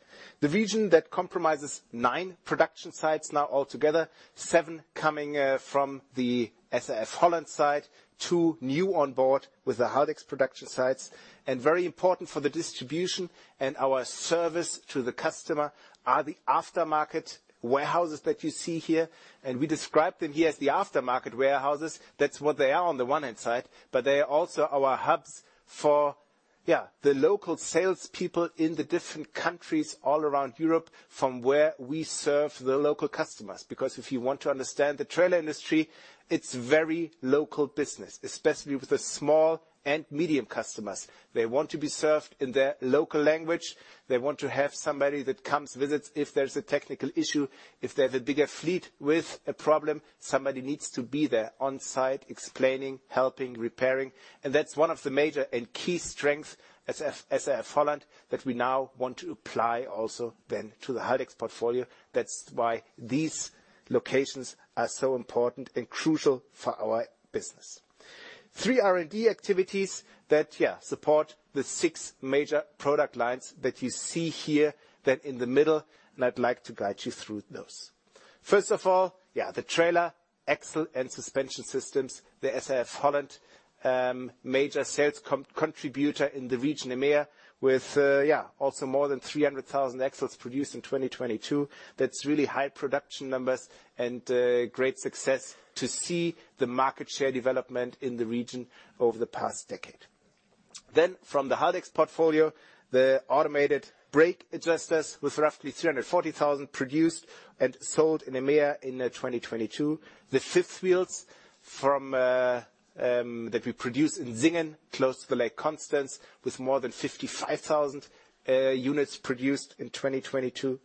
The region that comprises nine production sites now all together, seven coming from the SAF-HOLLAND site, two new on board with the Haldex production sites. Very important for the distribution and our service to the customer are the aftermarket warehouses that you see here. We describe them here as the aftermarket warehouses. That's what they are on the one hand side. They are also our hubs. Yeah, the local sales people in the different countries all around Europe from where we serve the local customers. If you want to understand the trailer industry, it's very local business, especially with the small and medium customers. They want to be served in their local language. They want to have somebody that comes, visits if there's a technical issue. If they have a bigger fleet with a problem, somebody needs to be there on site explaining, helping, repairing. That's one of the major and key strengths as SAF-HOLLAND that we now want to apply also then to the Haldex portfolio. That's why these locations are so important and crucial for our business. Three R&D activities that support the six major product lines that you see here then in the middle. I'd like to guide you through those. First of all, the trailer axle and suspension systems, the SAF-HOLLAND major sales contributor in the region EMEA with also more than 300,000 axles produced in 2022. That's really high production numbers, great success to see the market share development in the region over the past decade. From the Haldex portfolio, the Automatic Brake Adjusters with roughly 340,000 produced and sold in EMEA in 2022. The fifth wheels from that we produce in Singen close to Lake Constance with more than 55,000 units produced in 2022.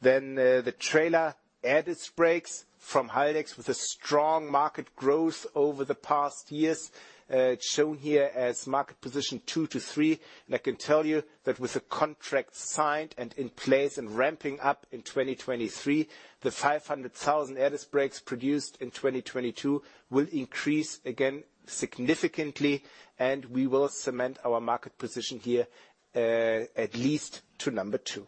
The Trailer Air Disc Brakes from Haldex with a strong market growth over the past years, shown here as market position two-three. I can tell you that with the contract signed and in place and ramping up in 2023, the 500,000 Air Disc Brakes produced in 2022 will increase again significantly, and we will cement our market position here at least to number two.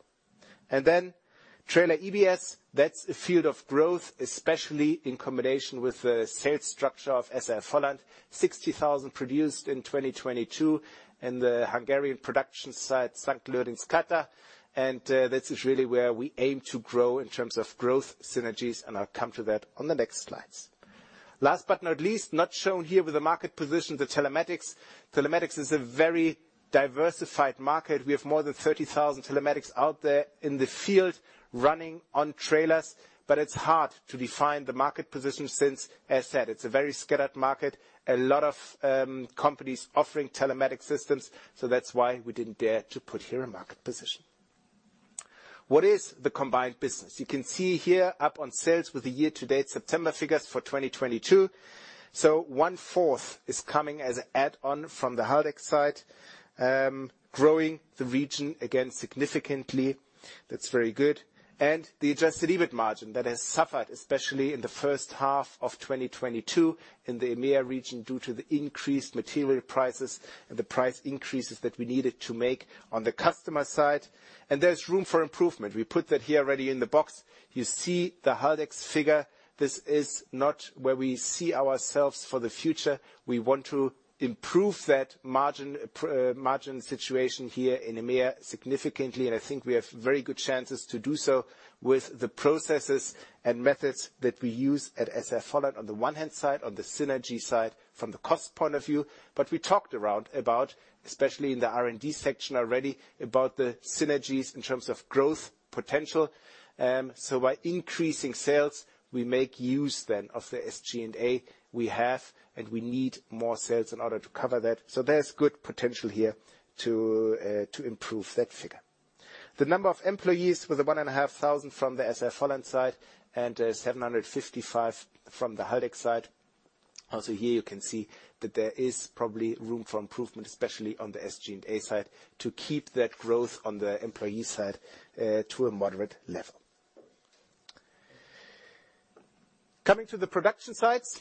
Trailer EBS, that's a field of growth, especially in combination with the sales structure of SAF-HOLLAND. 60,000 produced in 2022 in the Hungarian production site, Szentlőrinckáta, and this is really where we aim to grow in terms of growth synergies. I'll come to that on the next slides. Last but not least, not shown here with the market position, Telematics. Telematics is a very diversified market. We have more than 30,000 telematics out there in the field running on trailers. It's hard to define the market position since, as said, it's a very scattered market. A lot of companies offering telematics systems. That's why we didn't dare to put here a market position. What is the combined business? You can see here up on sales with the year to date September figures for 2022. One-fourth is coming as an add-on from the Haldex side, growing the region again significantly. That's very good. The adjusted EBITDA margin that has suffered especially in the first half of 2022 in the EMEA region due to the increased material prices and the price increases that we needed to make on the customer side. There's room for improvement. We put that here already in the box. You see the Haldex figure. This is not where we see ourselves for the future. We want to improve that margin situation here in EMEA significantly, and I think we have very good chances to do so with the processes and methods that we use at SAF-HOLLAND on the one hand side, on the synergy side from the cost point of view. We talked around about, especially in the R&D section already, about the synergies in terms of growth potential. By increasing sales, we make use of the SG&A we have, we need more sales in order to cover that. There's good potential here to improve that figure. The number of employees with the 1,500 from the SAF-HOLLAND side and 755 from the Haldex side. Also here you can see that there is probably room for improvement, especially on the SG&A side, to keep that growth on the employee side to a moderate level. Coming to the production sites,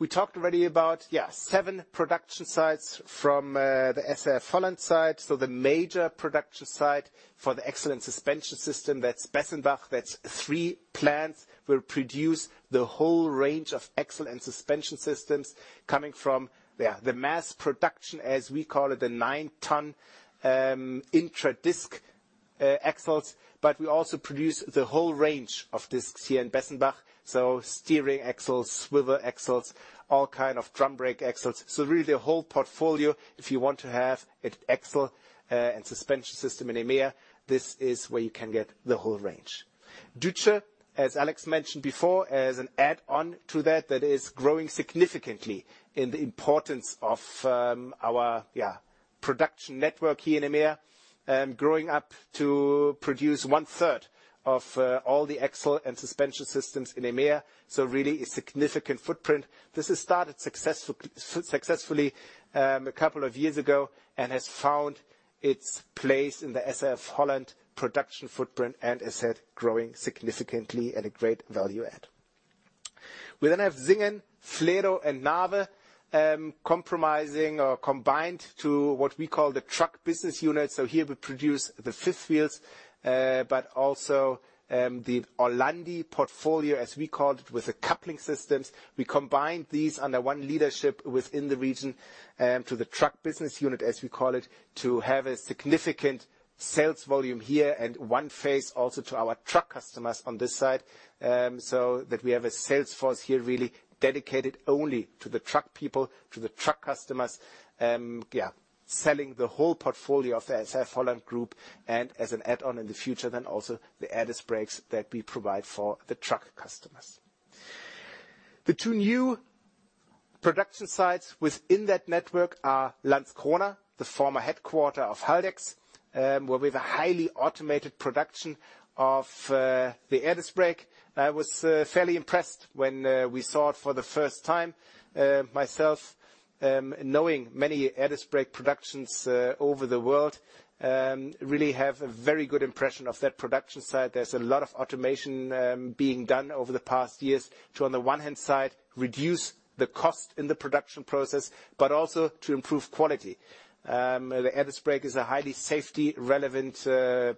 we talked already about seven production sites from the SAF-HOLLAND side. The major production site for the excellent suspension system, that's Bessenbach. That's three plants will produce the whole range of axle and suspension systems coming from the mass production, as we call it, the nine ton INTRADISC axles. We also produce the whole range of discs here in Bessenbach, so steering axles, swivel axles, all kind of drum brake axles. Really the whole portfolio, if you want to have an axle and suspension system in EMEA, this is where you can get the whole range. Düthe, as Alex mentioned before, as an add-on to that is growing successfully a couple of years ago and has found its place in the SAF-HOLLAND production footprint and as said growing significantly at a great value add. We have Singen, Flero, and Nave, compromising or combined to what we call the truck business unit. Here we produce the fifth wheels, but also the Orlandi portfolio, as we called it, with the coupling systems. We combined these under one leadership within the region, to the truck business unit, as we call it, to have a significant sales volume here and one face also to our truck customers on this side. That we have a sales force here really dedicated only to the truck people, to the truck customers, yeah, selling the whole portfolio of SAF-HOLLAND Group and as an add-on in the future, then also the air disc brakes that we provide for the truck customers. The two new production sites within that network are Landskrona, the former headquarter of Haldex, where we have a highly automated production of the air disc brake. I was fairly impressed when we saw it for the first time. Myself, knowing many air disc brake productions over the world, really have a very good impression of that production site. There's a lot of automation being done over the past years to, on the one hand side, reduce the cost in the production process, but also to improve quality. The air disc brake is a highly safety-relevant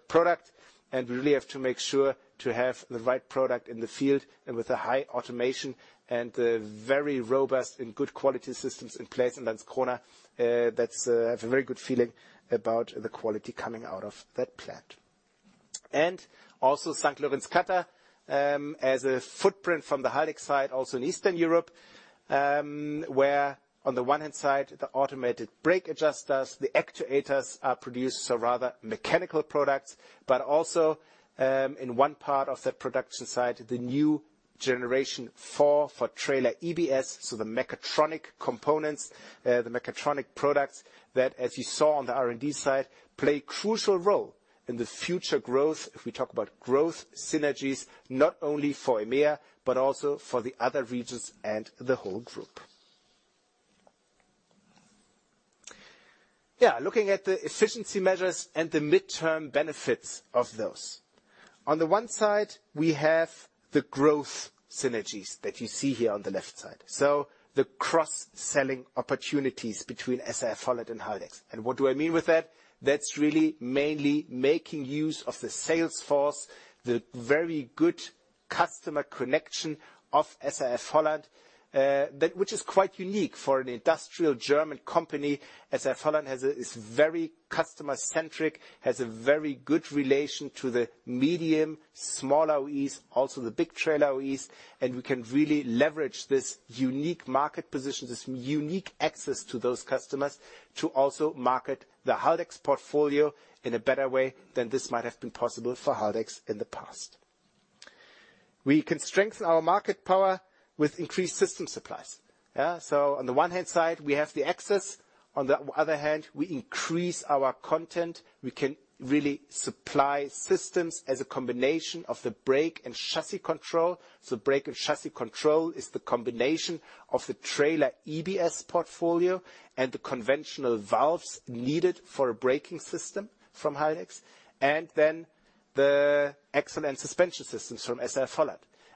product, and we really have to make sure to have the right product in the field and with a high automation and the very robust and good quality systems in place in Landskrona. That's, I have a very good feeling about the quality coming out of that plant. Also Szentlőrinckáta, as a footprint from the Haldex side, also in Eastern Europe, where on the one hand side, the Automatic Brake Adjusters, the actuators are produced. Rather mechanical products, but also, in one part of that production site, the new Generation Four for Trailer EBS. The mechatronic components, the mechatronic products that, as you saw on the R&D side, play crucial role in the future growth, if we talk about growth synergies, not only for EMEA, but also for the other regions and the whole group. Looking at the efficiency measures and the midterm benefits of those. On the one side, we have the growth synergies that you see here on the left side. The cross-selling opportunities between SAF-HOLLAND and Haldex. What do I mean with that? That's really mainly making use of the sales force, the very good customer connection of SAF-HOLLAND, that which is quite unique for an industrial German company. SAF-HOLLAND is very customer-centric, has a very good relation to the medium, small OEs, also the big trailer OEs. We can really leverage this unique market position, this unique access to those customers to also market the Haldex portfolio in a better way than this might have been possible for Haldex in the past. We can strengthen our market power with increased system supplies. On the one hand side, we have the access. On the other hand, we increase our content. We can really supply systems as a combination of the brake and chassis control. Brake and chassis control is the combination of the trailer EBS portfolio and the conventional valves needed for a braking system from Haldex. The excellent suspension systems from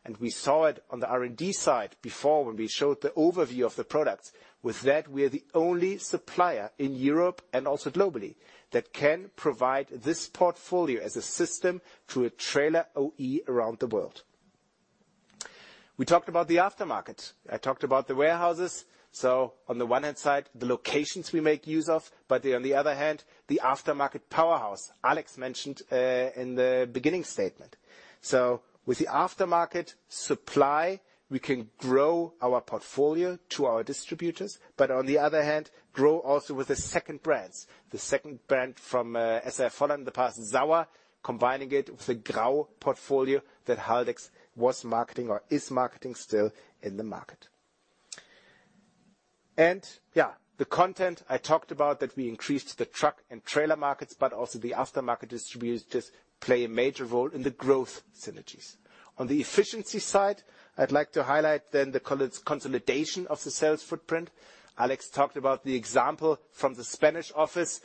SAF-HOLLAND. We saw it on the R&D side before when we showed the overview of the products. With that, we're the only supplier in Europe, and also globally, that can provide this portfolio as a system to a trailer OE around the world. We talked about the aftermarket. I talked about the warehouses. On the one hand side, the locations we make use of, but on the other hand, the aftermarket powerhouse Alex mentioned in the beginning statement. With the aftermarket supply, we can grow our portfolio to our distributors, but on the other hand, grow also with the second brands. The second brand from, SAF-HOLLAND, in the past SAUER, combining it with the Grau portfolio that Haldex was marketing or is marketing still in the market. Yeah, the content I talked about that we increased the truck and trailer markets, but also the aftermarket distributors just play a major role in the growth synergies. On the efficiency side, I'd like to highlight the consolidation of the sales footprint. Alex talked about the example from the Spanish office.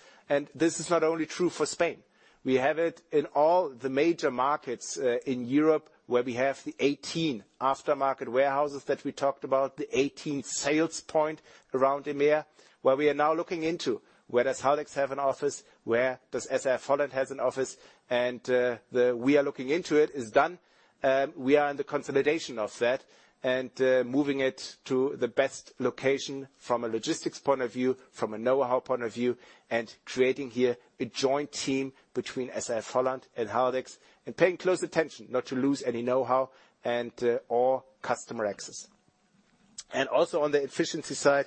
This is not only true for Spain. We have it in all the major markets in Europe, where we have the 18 aftermarket warehouses that we talked about, the 18 sales point around EMEA, where we are now looking into, where does Haldex have an office? Where does SAF-HOLLAND has an office? The, "We are looking into it" is done. We are in the consolidation of that and moving it to the best location from a logistics point of view, from a know-how point of view, and creating here a joint team between SAF-HOLLAND and Haldex. Paying close attention not to lose any know-how and or customer access. Also on the efficiency side,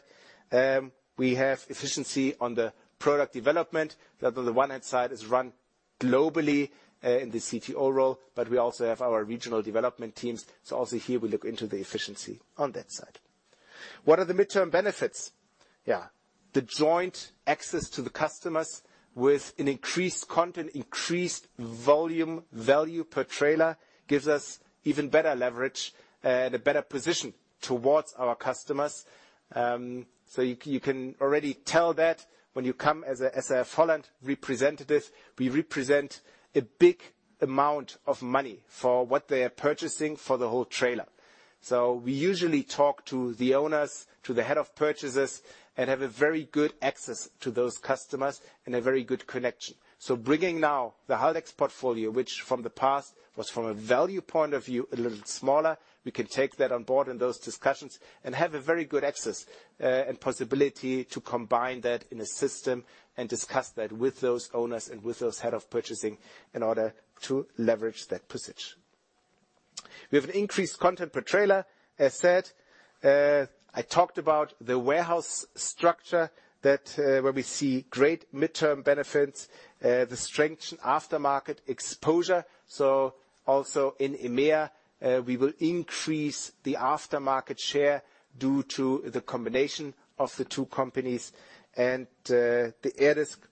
we have efficiency on the product development that on the one hand side is run globally in the CTO role, but we also have our regional development teams. Also here we look into the efficiency on that side. What are the midterm benefits? Yeah. The joint access to the customers with an increased content, increased volume, value per trailer, gives us even better leverage and a better position towards our customers. You can already tell that when you come as a SAF-HOLLAND representative, we represent a big amount of money for what they are purchasing for the whole trailer. So we usually talk to the owners, to the head of purchases, and have a very good access to those customers and a very good connection. Bringing now the Haldex portfolio, which from the past was from a value point of view, a little smaller, we can take that on board in those discussions and have a very good access, and possibility to combine that in a system and discuss that with those owners and with those head of purchasing in order to leverage that position. We have an increased content per trailer. As said, I talked about the warehouse structure that, where we see great midterm benefits, the strength in aftermarket exposure. Also in EMEA, we will increase the aftermarket share due to the combination of the two companies and, the air disc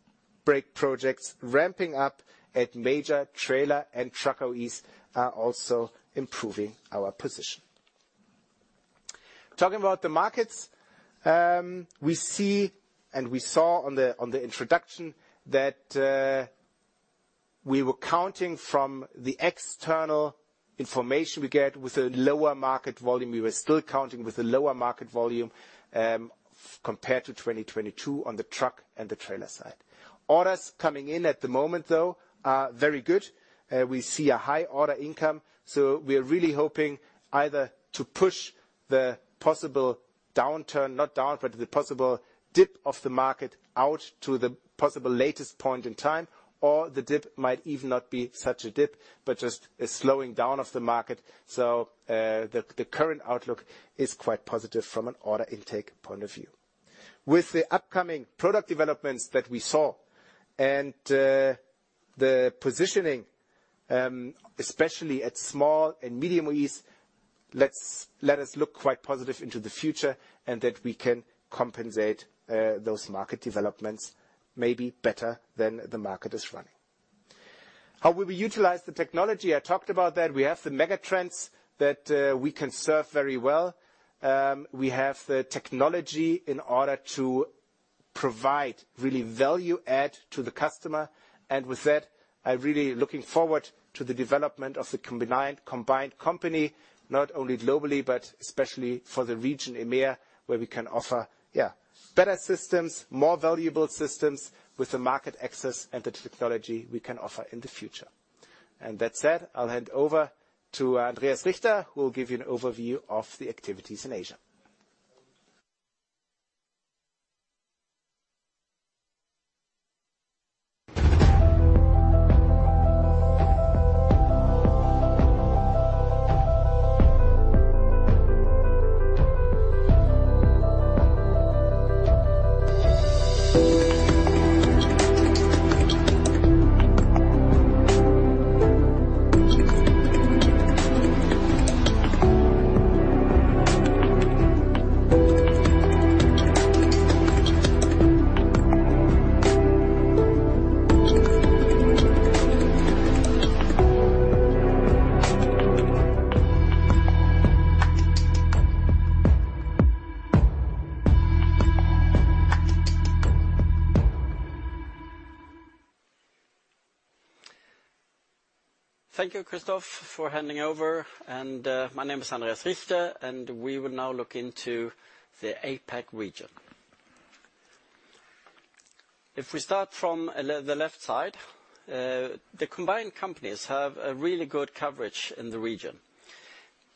brake projects ramping up at major trailer and truck OEs are also improving our position. Talking about the markets, we see, and we saw on the introduction, that we were counting from the external information we get with a lower market volume, we were still counting with a lower market volume, compared to 2022 on the truck and the trailer side. Orders coming in at the moment, though, are very good. We see a high order income, so we are really hoping either to push the possible downturn, the possible dip of the market out to the possible latest point in time, or the dip might even not be such a dip, but just a slowing down of the market. The current outlook is quite positive from an order intake point of view. With the upcoming product developments that we saw and the positioning, especially at small and medium OEs, let us look quite positive into the future, and that we can compensate those market developments maybe better than the market is running. How will we utilize the technology? I talked about that. We have the mega trends that we can serve very well. We have the technology in order to provide really value add to the customer, and with that, I really looking forward to the development of the combined company, not only globally, but especially for the region EMEA, where we can offer better systems, more valuable systems with the market access and the technology we can offer in the future. That said, I'll hand over to Andreas Richter, who will give you an overview of the activities in Asia. Thank you, Christoph, for handing over. My name is Andreas Richter, and we will now look into the APAC region. If we start from the left side, the combined companies have a really good coverage in the region.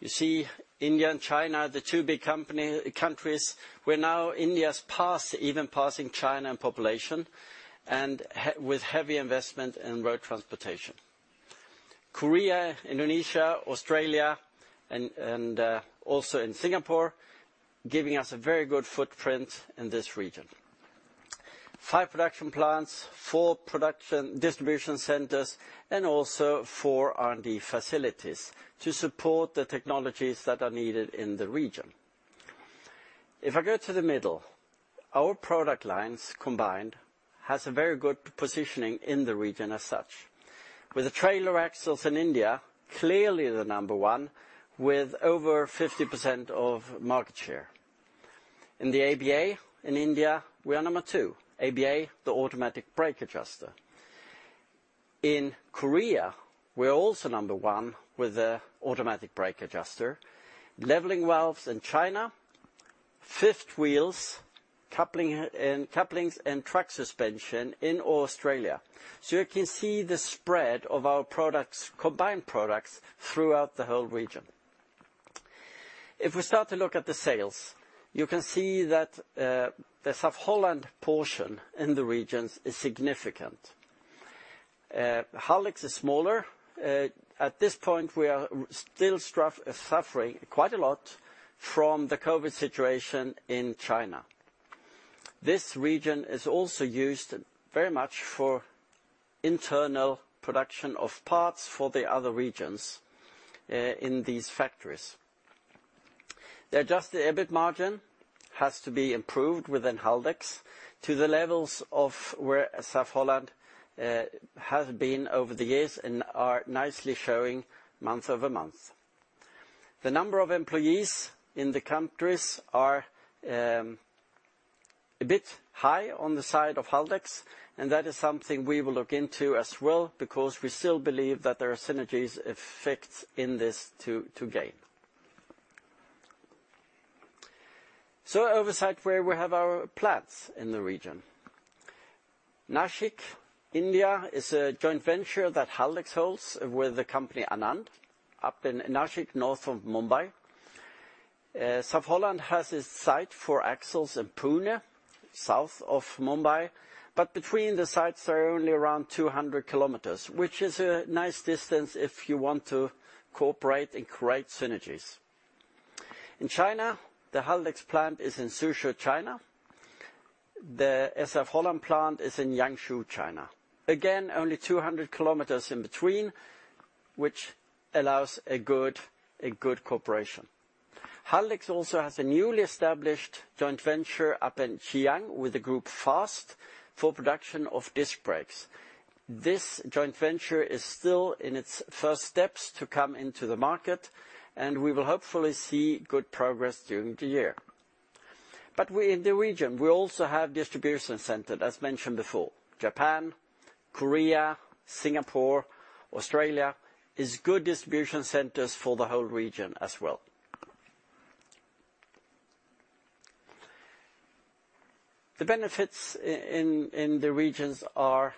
You see India and China, the two big countries, where now India's passed, even passing China in population, and with heavy investment in road transportation. Korea, Indonesia, Australia, and also in Singapore, giving us a very good footprint in this region. Five production plants, four production distribution centers, and also four R&D facilities to support the technologies that are needed in the region. If I go to the middle, our product lines combined has a very good positioning in the region as such, with the trailer axles in India, clearly the number one, with over 50% of market share. In the ABA in India, we are number two. ABA, the Automatic Brake Adjuster. In Korea, we're also number one with the Automatic Brake Adjuster. Leveling Valves in China, fifth wheels, coupling and couplings, and truck suspension in Australia. You can see the spread of our products, combined products, throughout the whole region. If we start to look at the sales, you can see that the SAF-HOLLAND portion in the regions is significant. Haldex is smaller. At this point, we are still suffering quite a lot from the COVID situation in China. This region is also used very much for internal production of parts for the other regions in these factories. The adjusted EBITDA margin has to be improved within Haldex to the levels of where SAF-HOLLAND have been over the years and are nicely showing month-over-month. The number of employees in the countries are a bit high on the side of Haldex. That is something we will look into as well because we still believe that there are synergies effects in this to gain. Oversight where we have our plants in the region. Nashik, India is a joint venture that Haldex holds with the company Anand, up in Nashik, north of Mumbai. SAF-HOLLAND has its site for axles in Pune, south of Mumbai. Between the sites are only around 200 kilometers, which is a nice distance if you want to cooperate and create synergies. In China, the Haldex plant is in Suzhou, China. The SAF-HOLLAND plant is in Yangzhou, China. Only 200 kilometers in between, which allows a good cooperation. Haldex also has a newly established joint venture up in Xianyang with FAST Group for production of Disc Brakes. This joint venture is still in its first steps to come into the market, and we will hopefully see good progress during the year. In the region, we also have distribution centers, as mentioned before. Japan, Korea, Singapore, Australia are good distribution centers for the whole region as well. The benefits in the regions are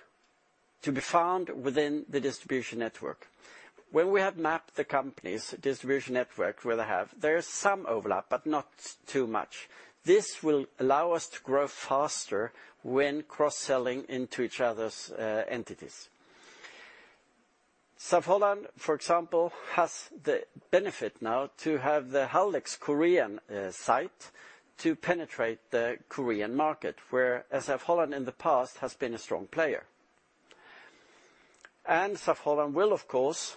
to be found within the distribution network. When we have mapped the company's distribution network where they have, there is some overlap, but not too much. This will allow us to grow faster when cross-selling into each other's entities. SAF-HOLLAND, for example, has the benefit now to have the Haldex Korean site to penetrate the Korean market, where SAF-HOLLAND in the past has been a strong player. SAF-HOLLAND will, of course,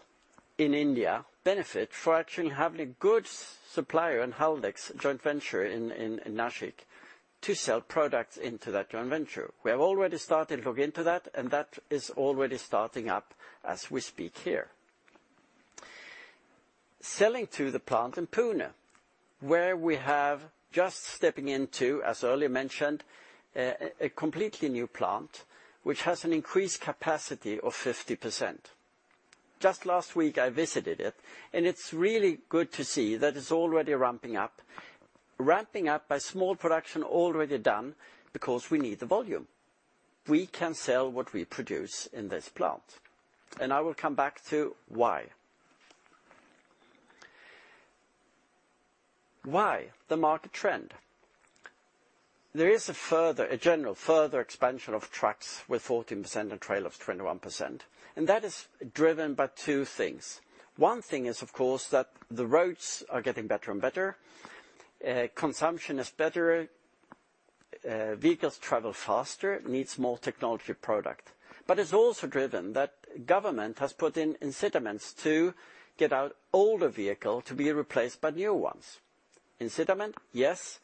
in India, benefit for actually having a good supplier in Haldex joint venture in Nashik to sell products into that joint venture. We have already started to look into that, and that is already starting up as we speak here. Selling to the plant in Pune, where we have just stepping into, as earlier mentioned, a completely new plant which has an increased capacity of 50%. Just last week I visited it, and it's really good to see that it's already ramping up. Ramping up by small production already done because we need the volume. We can sell what we produce in this plant, and I will come back to why. Why? The market trend. There is a further, a general further expansion of trucks with 14% and trailers 21%, and that is driven by two things. One thing is, of course, that the roads are getting better and better, consumption is better, vehicles travel faster, needs more technology product. It's also driven that government has put in incentives to get out older vehicle to be replaced by new ones. Incentive, yes.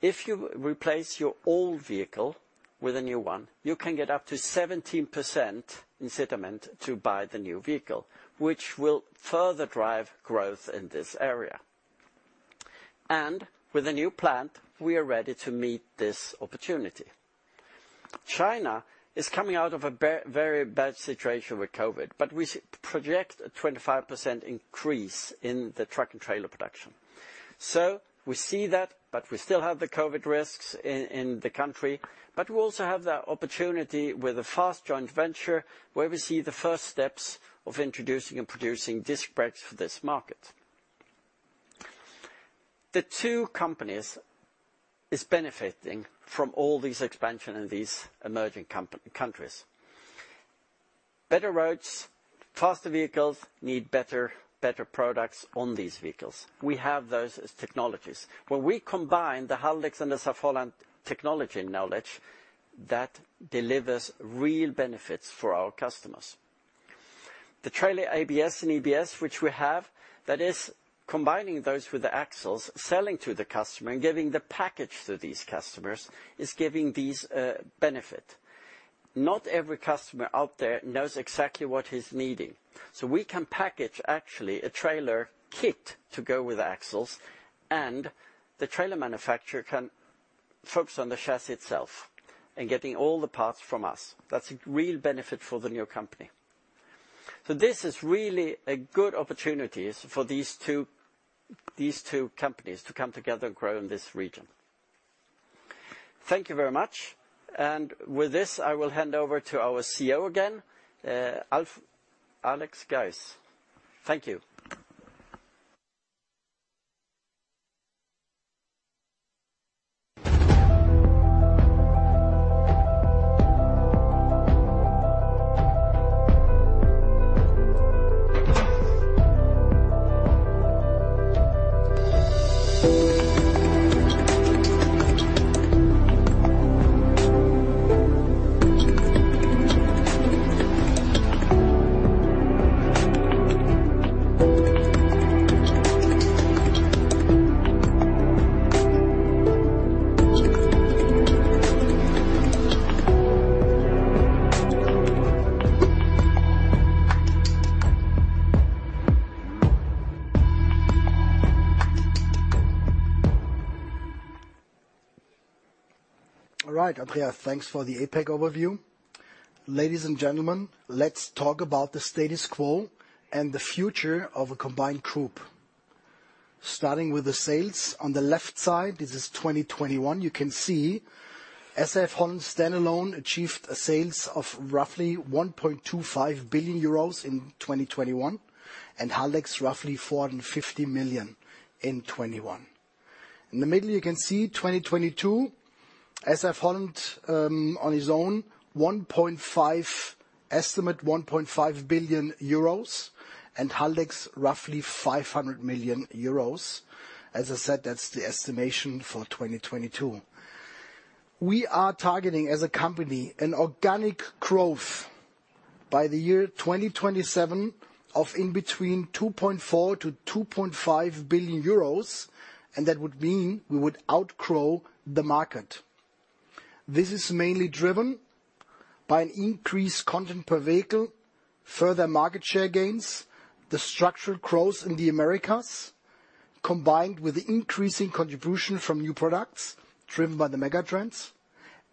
If you replace your old vehicle with a new one, you can get up to 17% incentive to buy the new vehicle, which will further drive growth in this area. With a new plant, we are ready to meet this opportunity. China is coming out of a very bad situation with COVID, we project a 25% increase in the truck and trailer production. We see that, we still have the COVID risks in the country. We also have the opportunity with a FAST Group joint venture where we see the first steps of introducing and producing Disc Brakes for this market. The two companies is benefiting from all these expansion in these emerging countries. Better roads, faster vehicles need better products on these vehicles. We have those as technologies. When we combine the Haldex and the SAF-HOLLAND technology knowledge, that delivers real benefits for our customers. The trailer ABS and EBS, which we have, that is combining those with the axles, selling to the customer and giving the package to these customers, is giving these benefit. Not every customer out there knows exactly what he's needing. We can package actually a trailer kit to go with the axles, and the trailer manufacturer can focus on the chassis itself and getting all the parts from us. That's a real benefit for the new company. This is really a good opportunities for these two companies to come together and grow in this region. Thank you very much. With this, I will hand over to our CEO again, Alex Geis. Thank you. All right, Andreas, thanks for the APAC overview. Ladies and gentlemen, let's talk about the status quo and the future of a combined group. Starting with the sales on the left side, this is 2021. You can see SAF-HOLLAND standalone achieved a sales of roughly 1.25 billion euros in 2021, and Haldex roughly 450 million in 2021. In the middle, you can see 2022, SAF-HOLLAND on its own, 1.5 billion euros and Haldex roughly 500 million euros. As I said, that's the estimation for 2022. We are targeting, as a company, an organic growth by the year 2027 of in between 2.4 billion-2.5 billion euros, and that would mean we would outgrow the market. This is mainly driven by an increased content per vehicle, further market share gains, the structural growth in the Americas, combined with increasing contribution from new products driven by the mega-trends,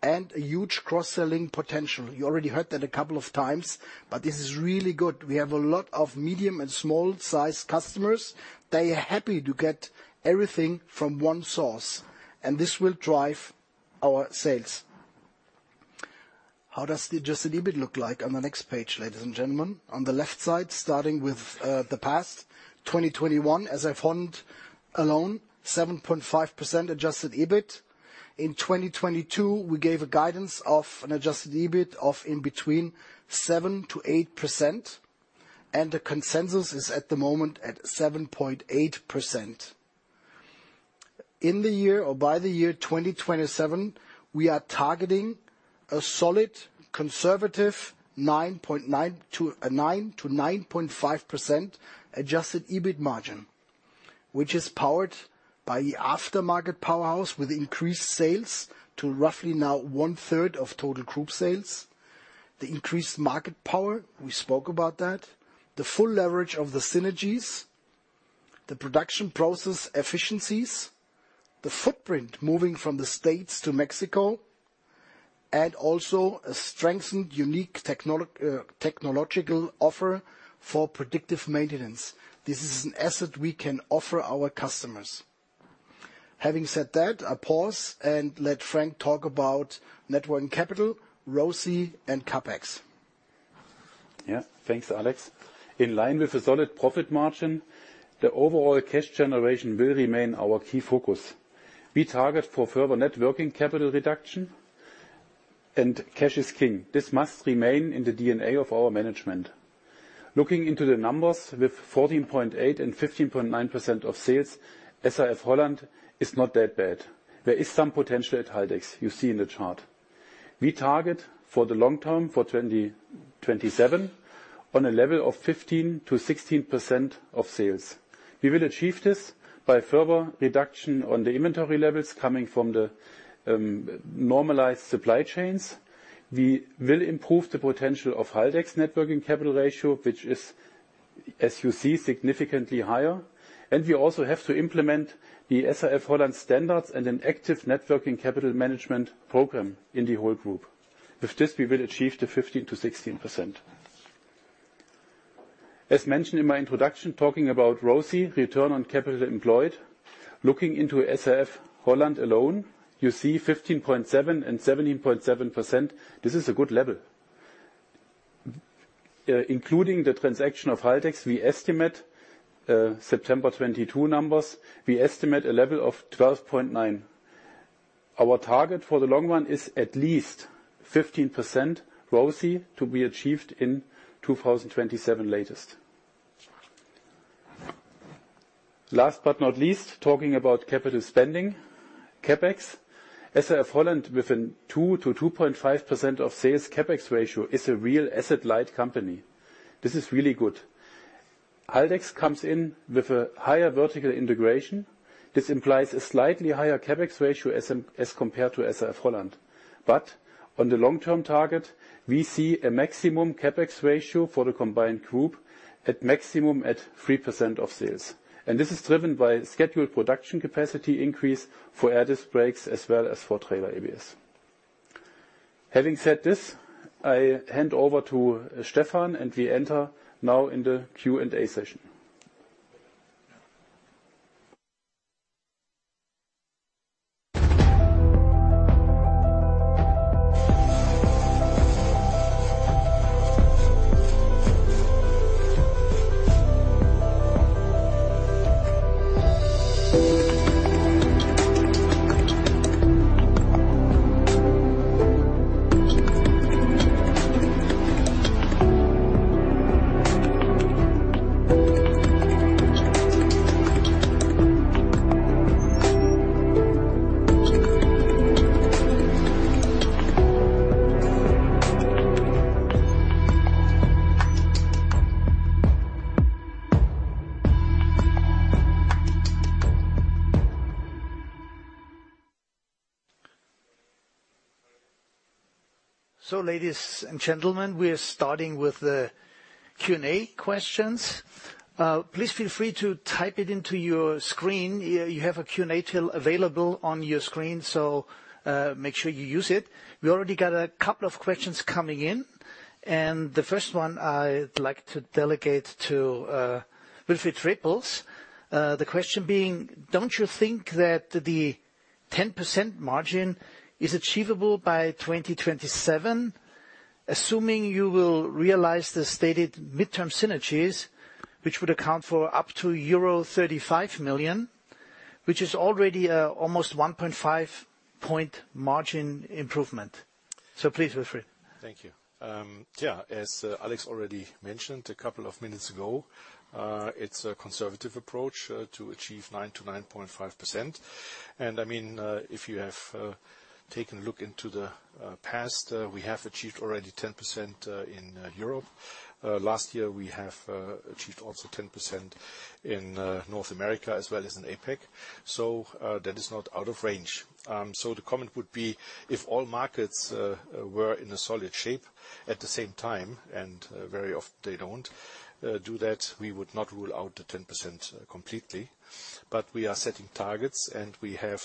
and a huge cross-selling potential. You already heard that a couple of times, but this is really good. We have a lot of medium and small-sized customers. They are happy to get everything from one source, and this will drive our sales. How does the adjusted EBITDA look like? On the next page, ladies and gentlemen. On the left side, starting with the past, 2021, as I found alone, 7.5% adjusted EBITDA. In 2022, we gave a guidance of an adjusted EBITDA of in between 7%-8%, and the consensus is at the moment at 7.8%. In the year or by the year 2027, we are targeting a solid conservative 9.9%-9.5% adjusted EBITDA margin, which is powered by the aftermarket powerhouse with increased sales to roughly now 1/3 of total Group sales. The increased market power, we spoke about that. The full leverage of the synergies, the production process efficiencies, the footprint moving from the States to Mexico, and also a strengthened unique technological offer for predictive maintenance. This is an asset we can offer our customers. Having said that, I pause and let Frank talk about net working capital, ROCE, and CapEx. Yeah. Thanks, Alex. In line with a solid profit margin, the overall cash generation will remain our key focus. We target for further net working capital reduction and cash is king. This must remain in the DNA of our management. Looking into the numbers with 14.8 and 15.9% of sales, SAF-HOLLAND is not that bad. There is some potential at Haldex, you see in the chart. We target for the long term, for 2027, on a level of 15%-16% of sales. We will achieve this by further reduction on the inventory levels coming from the normalized supply chains. We will improve the potential of Haldex net working capital ratio, which is, as you see, significantly higher. We also have to implement the SAF-HOLLAND standards and an active net working capital management program in the whole group. With this, we will achieve the 15%-16%. As mentioned in my introduction, talking about ROCE, return on capital employed, looking into SAF-HOLLAND alone, you see 15.7% and 17.7%. This is a good level. Including the transaction of Haldex, we estimate September 2022 numbers. We estimate a level of 12.9%. Our target for the long run is at least 15% ROCE to be achieved in 2027 latest. Last but not least, talking about capital spending. CapEx. SAF-HOLLAND with a 2%-2.5% of sales CapEx ratio is a real asset-light company. This is really good. Haldex comes in with a higher vertical integration. This implies a slightly higher CapEx ratio as compared to SAF-HOLLAND. On the long-term target, we see a maximum CapEx ratio for the combined group at maximum at 3% of sales. This is driven by scheduled production capacity increase for air disc brakes as well as for trailer ABS. Having said this, I hand over to Christoph and we enter now in the Q&A session. Ladies and gentlemen, we are starting with the Q&A questions. Please feel free to type it into your screen. You have a Q&A tool available on your screen. Make sure you use it. We already got a couple of questions coming in. The first one I'd like to delegate to Wilfried Trepels. The question being, don't you think that the 10% margin is achievable by 2027, assuming you will realize the stated midterm synergies, which would account for up to euro 35 million? Which is already, almost 1.5 point margin improvement. Please, Wilfried. Thank you. Yeah, as Alex already mentioned a couple of minutes ago, it's a conservative approach to achieve 9%-9.5%. I mean, if you have taken a look into the past, we have achieved already 10% in Europe. Last year we have achieved also 10% in North America as well as in APAC. That is not out of range. The comment would be if all markets were in a solid shape at the same time, and very often they don't do that, we would not rule out the 10% completely. We are setting targets, and we have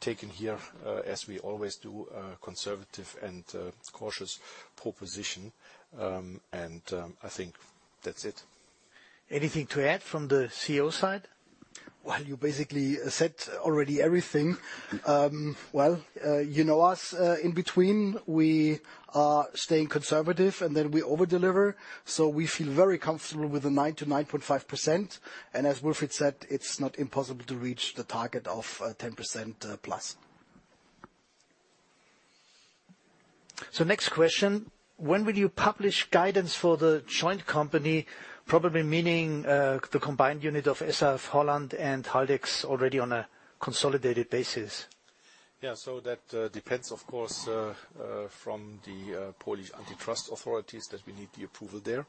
taken here, as we always do, a conservative and cautious proposition. And I think that's it. Anything to add from the CO side? Well, you basically said already everything. Well, you know us. In between, we are staying conservative, and then we over-deliver. We feel very comfortable with the 9%-9.5%. As Wilfried said, it's not impossible to reach the target of 10% plus. Next question. When will you publish guidance for the joint company? Probably meaning, the combined unit of SAF-HOLLAND and Haldex already on a consolidated basis. Yeah, that depends, of course, from the Polish antitrust authorities, that we need the approval there.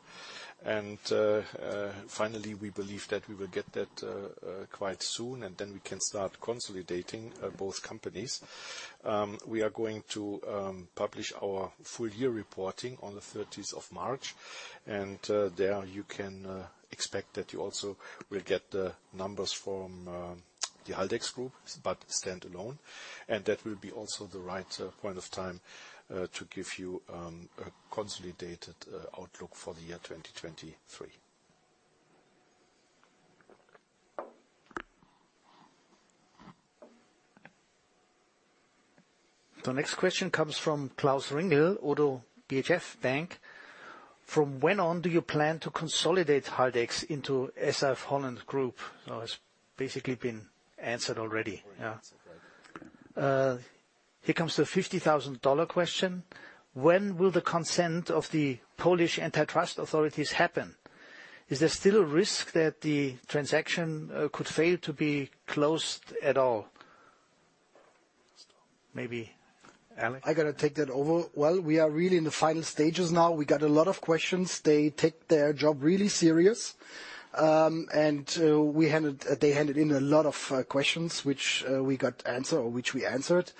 Finally, we believe that we will get that quite soon, and then we can start consolidating both companies. We are going to publish our full year reporting on the 30th of March. There, you can expect that you also will get the numbers from the Haldex Group, but standalone. That will be also the right point of time to give you a consolidated outlook for the year 2023. The next question comes from Klaus Ringel, ODDO BHF. From when on do you plan to consolidate Haldex into SAF-HOLLAND Group? Oh, it's basically been answered already. Yeah. Already answered, right. Here comes the $50,000 question. When will the consent of the Polish antitrust authorities happen? Is there still a risk that the transaction could fail to be closed at all? Maybe Alex. I gotta take that over. Well, we are really in the final stages now. We got a lot of questions. They take their job really serious. They handed in a lot of questions which we got answer or which we answered.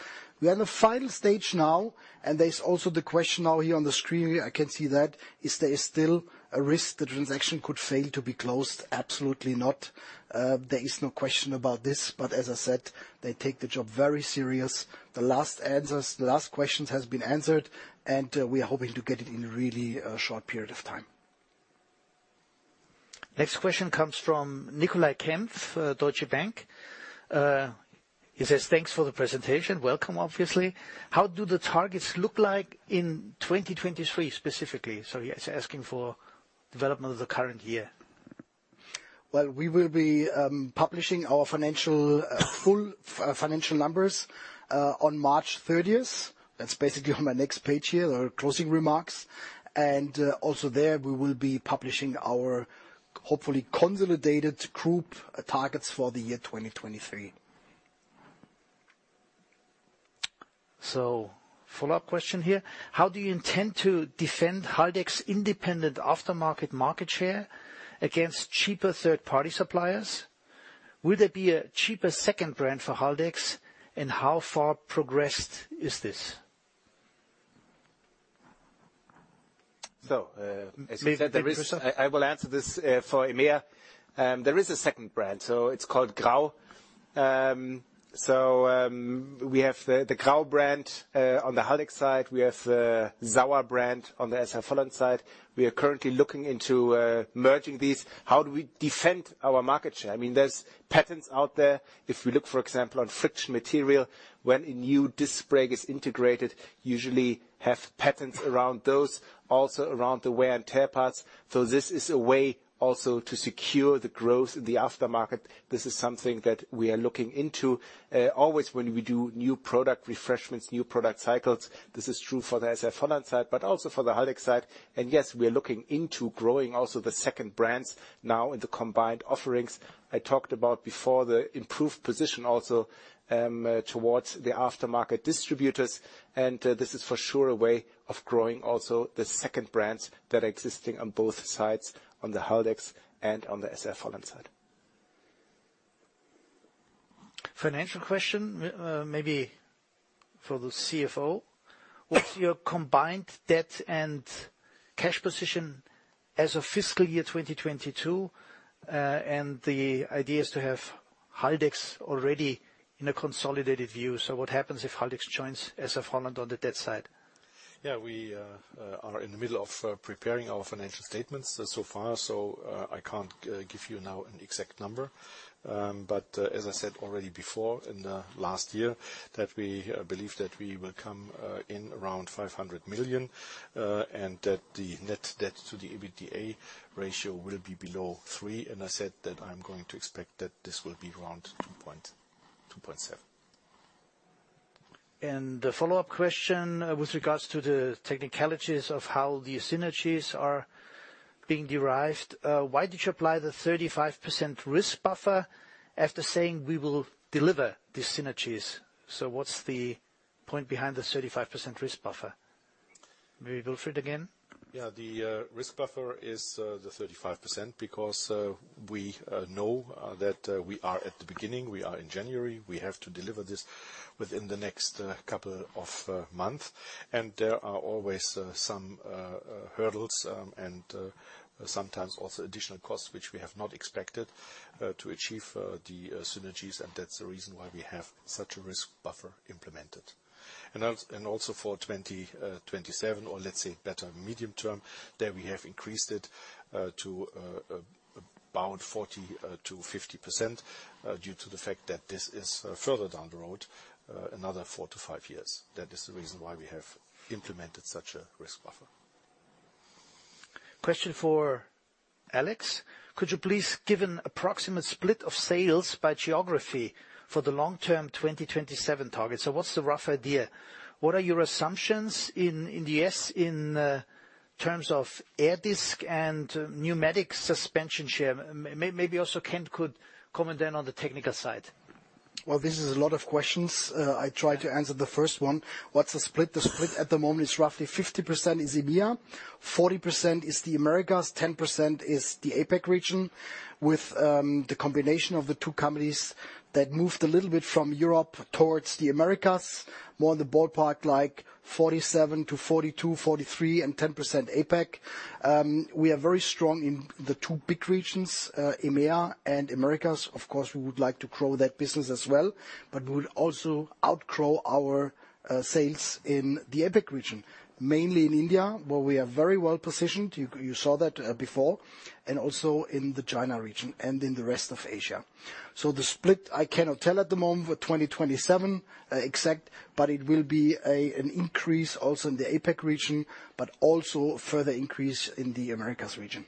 We are in the final stage now. There's also the question now here on the screen, I can see that, is there still a risk the transaction could fail to be closed? Absolutely not. There is no question about this. As I said, they take the job very serious. The last answers, the last questions has been answered. We are hoping to get it in a really short period of time. Next question comes from Nicolai Kempf, Deutsche Bank. He says, "Thanks for the presentation." Welcome, obviously. How do the targets look like in 2023 specifically? He is asking for development of the current year. Well, we will be publishing our financial, full financial numbers, on March 30th. That's basically on my next page here, our closing remarks. Also there, we will be publishing our hopefully consolidated group targets for the year 2023. Follow-up question here: How do you intend to defend Haldex independent aftermarket market share against cheaper third-party suppliers? Will there be a cheaper second brand for Haldex, and how far progressed is this? as you said. Maybe Christoph. I will answer this for EMEA. There is a second brand, so it's called Grau. We have the Grau brand on the Haldex side. We have SAUER brand on the SAF-HOLLAND side. We are currently looking into merging these. How do we defend our market share? I mean, there's patents out there. If we look, for example, on friction material, when a new disc brake is integrated, usually have patents around those, also around the wear and tear parts. This is a way also to secure the growth in the aftermarket. This is something that we are looking into. Always when we do new product refreshments, new product cycles, this is true for the SAF-HOLLAND side, but also for the Haldex side. Yes, we are looking into growing also the second brands now in the combined offerings. I talked about before the improved position also towards the aftermarket distributors. This is for sure a way of growing also the second brands that are existing on both sides, on the Haldex and on the SAF-HOLLAND side. Financial question, maybe for the CFO. What's your combined debt and cash position as of fiscal year 2022? The idea is to have Haldex already in a consolidated view. What happens if Haldex joins SAF-HOLLAND on the debt side? We are in the middle of preparing our financial statements so far. I can't give you now an exact number. As I said already before in the last year, that we believe that we will come in around 500 million and that the net debt to the EBITDA ratio will be below three, and I said that I'm going to expect that this will be around 2.7. The follow-up question with regards to the technicalities of how the synergies are being derived, why did you apply the 35% risk buffer after saying we will deliver these synergies? What's the point behind the 35% risk buffer? Maybe Wilfried again. Yeah. The risk buffer is the 35% because we know that we are at the beginning. We are in January. We have to deliver this within the next couple of month. There are always some hurdles, and sometimes also additional costs, which we have not expected to achieve the synergies. That's the reason why we have such a risk buffer implemented. Also for 2027 or let's say better medium term, there we have increased it to about 40%-50% due to the fact that this is further down the road another four-five years. That is the reason why we have implemented such a risk buffer. Question for Alex. Could you please give an approximate split of sales by geography for the long-term 2027 target? What's the rough idea? What are your assumptions terms of Air Disc and pneumatic suspension share? Maybe also Kent could comment then on the technical side. Well, this is a lot of questions. I try to answer the first one. What's the split? The split at the moment is roughly 50% is EMEA, 40% is the Americas, 10% is the APAC region. With the combination of the two companies that moved a little bit from Europe towards the Americas, more in the ballpark, like 47% to 42%-43%, and 10% APAC. We are very strong in the two big regions, EMEA and Americas. Of course, we would like to grow that business as well, but we'll also outgrow our sales in the APAC region, mainly in India, where we are very well-positioned. You saw that before, and also in the China region and in the rest of Asia. The split, I cannot tell at the moment for 2027, exact, but it will be an increase also in the APAC region, but also a further increase in the Americas region.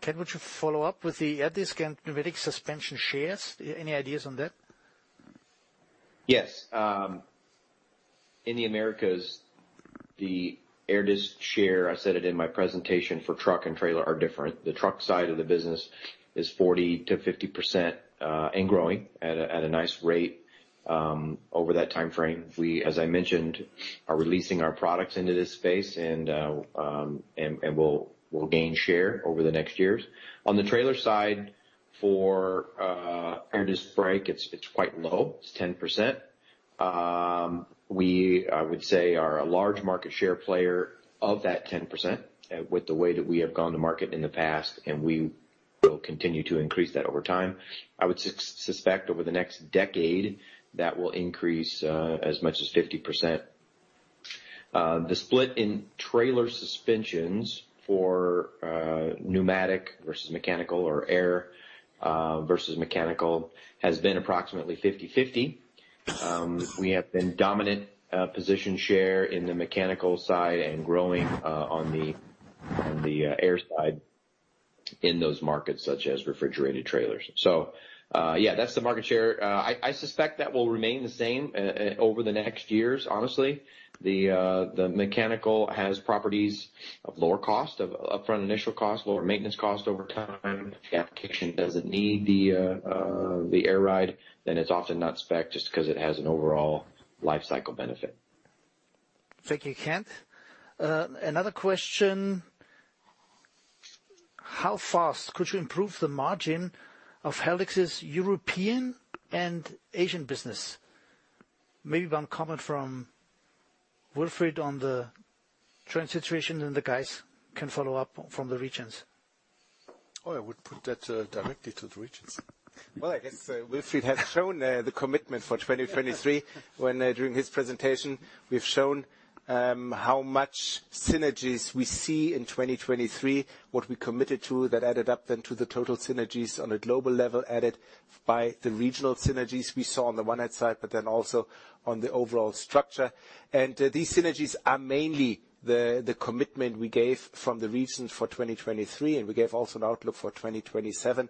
Kent, would you follow up with the air disc and pneumatic suspension shares? Any ideas on that? Yes. In the Americas, the Air Disc share, I said it in my presentation, for truck and trailer are different. The truck side of the business is 40%-50% and growing at a nice rate over that timeframe. We, as I mentioned, are releasing our products into this space and we'll gain share over the next years. On the trailer side for air disc brake, it's quite low. It's 10%. We, I would say, are a large market share player of that 10% with the way that we have gone to market in the past, and we will continue to increase that over time. I would suspect over the next decade, that will increase as much as 50%. The split in trailer suspensions for pneumatic versus mechanical or air versus mechanical has been approximately 50/50. We have been dominant position share in the mechanical side and growing on the air side in those markets, such as refrigerated trailers. That's the market share. I suspect that will remain the same over the next years, honestly. The mechanical has properties of lower cost, of upfront initial cost, lower maintenance cost over time. If the application doesn't need the air ride, then it's often not spec'd just 'cause it has an overall life cycle benefit. Thank you, Kent. Another question. How fast could you improve the margin of Haldex's European and Asian business? Maybe one comment from Wilfried on the current situation, and the guys can follow up from the regions. Oh, I would put that directly to the regions. Well, I guess Wilfried has shown the commitment for 2023 when during his presentation, we've shown how much synergies we see in 2023, what we committed to that added up then to the total synergies on a global level, added by the regional synergies we saw on the one hand side, but then also on the overall structure. These synergies are mainly the commitment we gave from the regions for 2023, and we gave also an outlook for 2027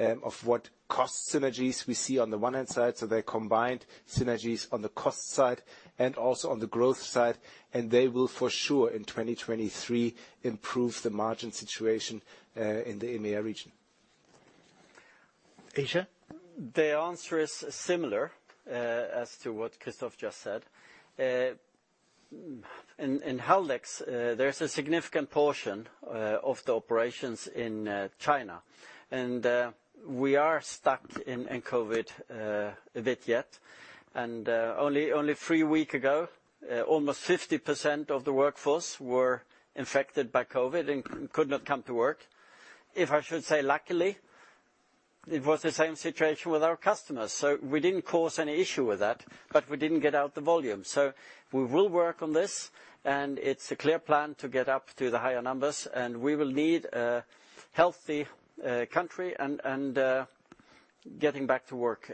of what cost synergies we see on the one hand side. They combined synergies on the cost side and also on the growth side, and they will for sure in 2023 improve the margin situation in the EMEA region. Asia? The answer is similar, as to what Christoph just said. In Haldex, there's a significant portion of the operations in China, and we are stuck in COVID, a bit yet. Only three week ago, almost 50% of the workforce were infected by COVID and could not come to work. If I should say, luckily, it was the same situation with our customers, so we didn't cause any issue with that, but we didn't get out the volume. We will work on this, and it's a clear plan to get up to the higher numbers, and we will need a healthy country and getting back to work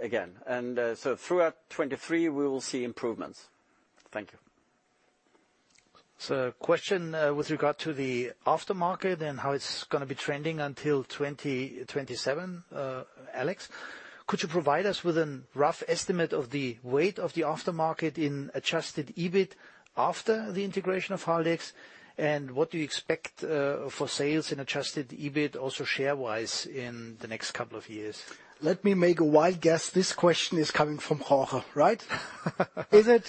again. Throughout 2023, we will see improvements. Thank you. A question with regard to the aftermarket and how it's gonna be trending until 2027. Alex, could you provide us with an rough estimate of the weight of the aftermarket in adjusted EBITDA after the integration of Haldex? What do you expect for sales in adjusted EBITDA, also share-wise, in the next couple of years? Let me make a wild guess. This question is coming from Jorge, right? Is it?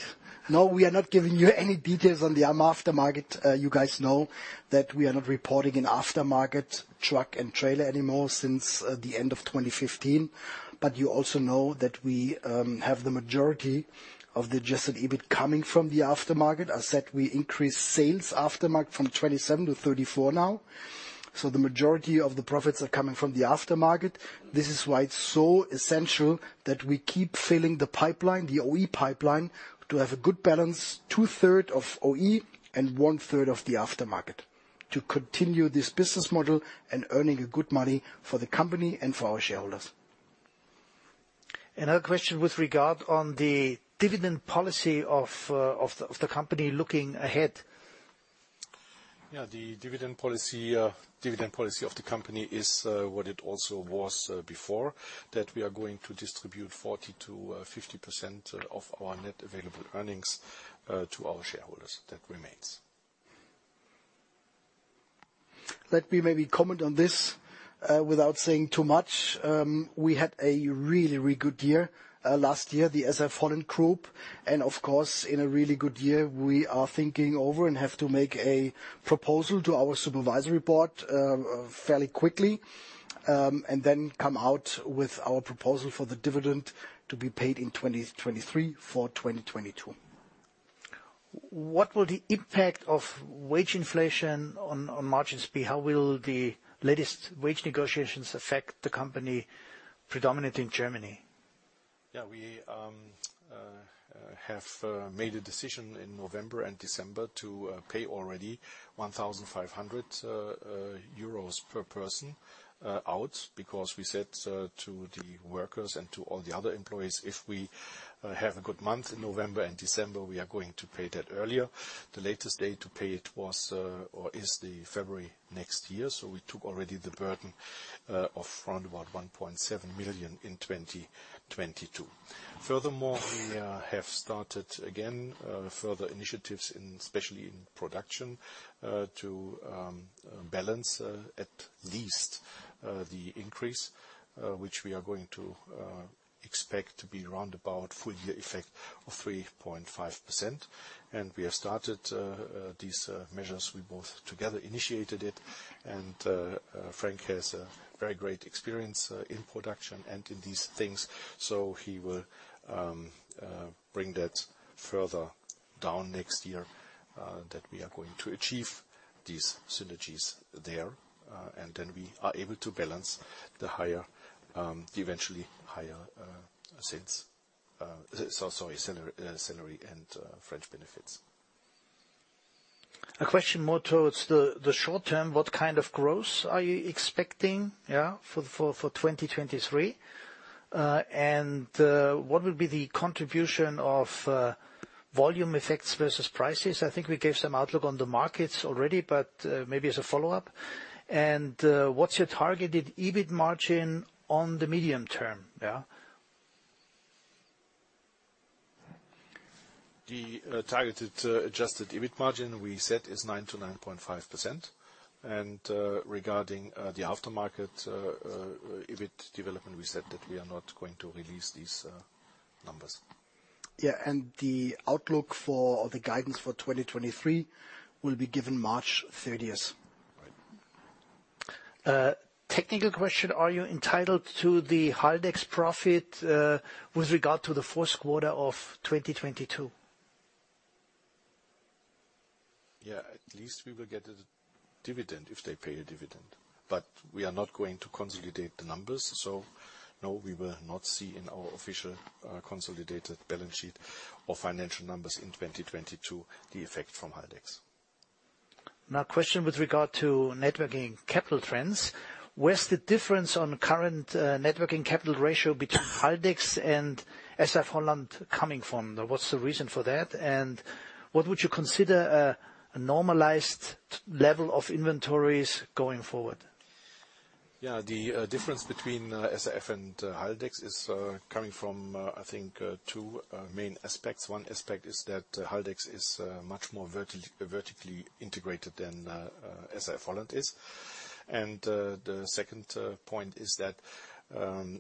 We are not giving you any details on the aftermarket. You guys know that we are not reporting in aftermarket truck and trailer anymore since the end of 2015. You also know that we have the majority of the adjusted EBITDA coming from the aftermarket. I said we increased sales aftermarket from 27%-34% now. The majority of the profits are coming from the aftermarket. This is why it's so essential that we keep filling the pipeline, the OE pipeline, to have a good balance, two-thirds of OE and one-third of the aftermarket, to continue this business model and earning good money for the company and for our shareholders. Another question with regard on the dividend policy of the, of the company looking ahead. Yeah. The dividend policy of the company is what it also was before, that we are going to distribute 40%-50% of our net available earnings to our shareholders. That remains. Let me maybe comment on this, without saying too much. We had a really, really good year last year, the SAF-HOLLAND Group. Of course, in a really good year, we are thinking over and have to make a proposal to our supervisory board fairly quickly, and then come out with our proposal for the dividend to be paid in 2023 for 2022. What will the impact of wage inflation on margins be? How will the latest wage negotiations affect the company predominant in Germany? Yeah. We have made a decision in November and December to pay already 1,500 euros per person out because we said to the workers and to all the other employees, if we have a good month in November and December, we are going to pay that earlier. The latest date to pay it was or is the February next year. We took already the burden of around about 1.7 million in 2022. Furthermore, we have started again further initiatives in, especially in production, to balance at least the increase which we are going to expect to be around about full year effect of 3.5%. We have started these measures. We both together initiated it. Frank has a very great experience in production and in these things. He will bring that further down next year that we are going to achieve these synergies there. Then we are able to balance the higher, eventually higher, sales, sorry, salary and fringe benefits. A question more towards the short term. What kind of growth are you expecting, yeah, for 2023? What will be the contribution of volume effects versus prices? I think we gave some outlook on the markets already, but maybe as a follow-up. What's your targeted EBITDA margin on the medium term, yeah? The targeted adjusted EBITDA margin we said is 9%-9.5%. Regarding the aftermarket EBITDA development, we said that we are not going to release these numbers. Yeah. The outlook for, or the guidance for 2023 will be given March 30th. Right. Technical question: Are you entitled to the Haldex profit, with regard to the fourth quarter of 2022? Yeah. At least we will get a dividend if they pay a dividend. We are not going to consolidate the numbers. No, we will not see in our official consolidated balance sheet or financial numbers in 2022 the effect from Haldex. A question with regard to net working capital trends. Where's the difference on current net working capital ratio between Haldex and SAF-HOLLAND coming from? What's the reason for that? What would you consider a normalized level of inventories going forward? The difference between SAF and Haldex is coming from, I think, two main aspects. One aspect is that Haldex is much more vertically integrated than SAF-HOLLAND is. The second point is that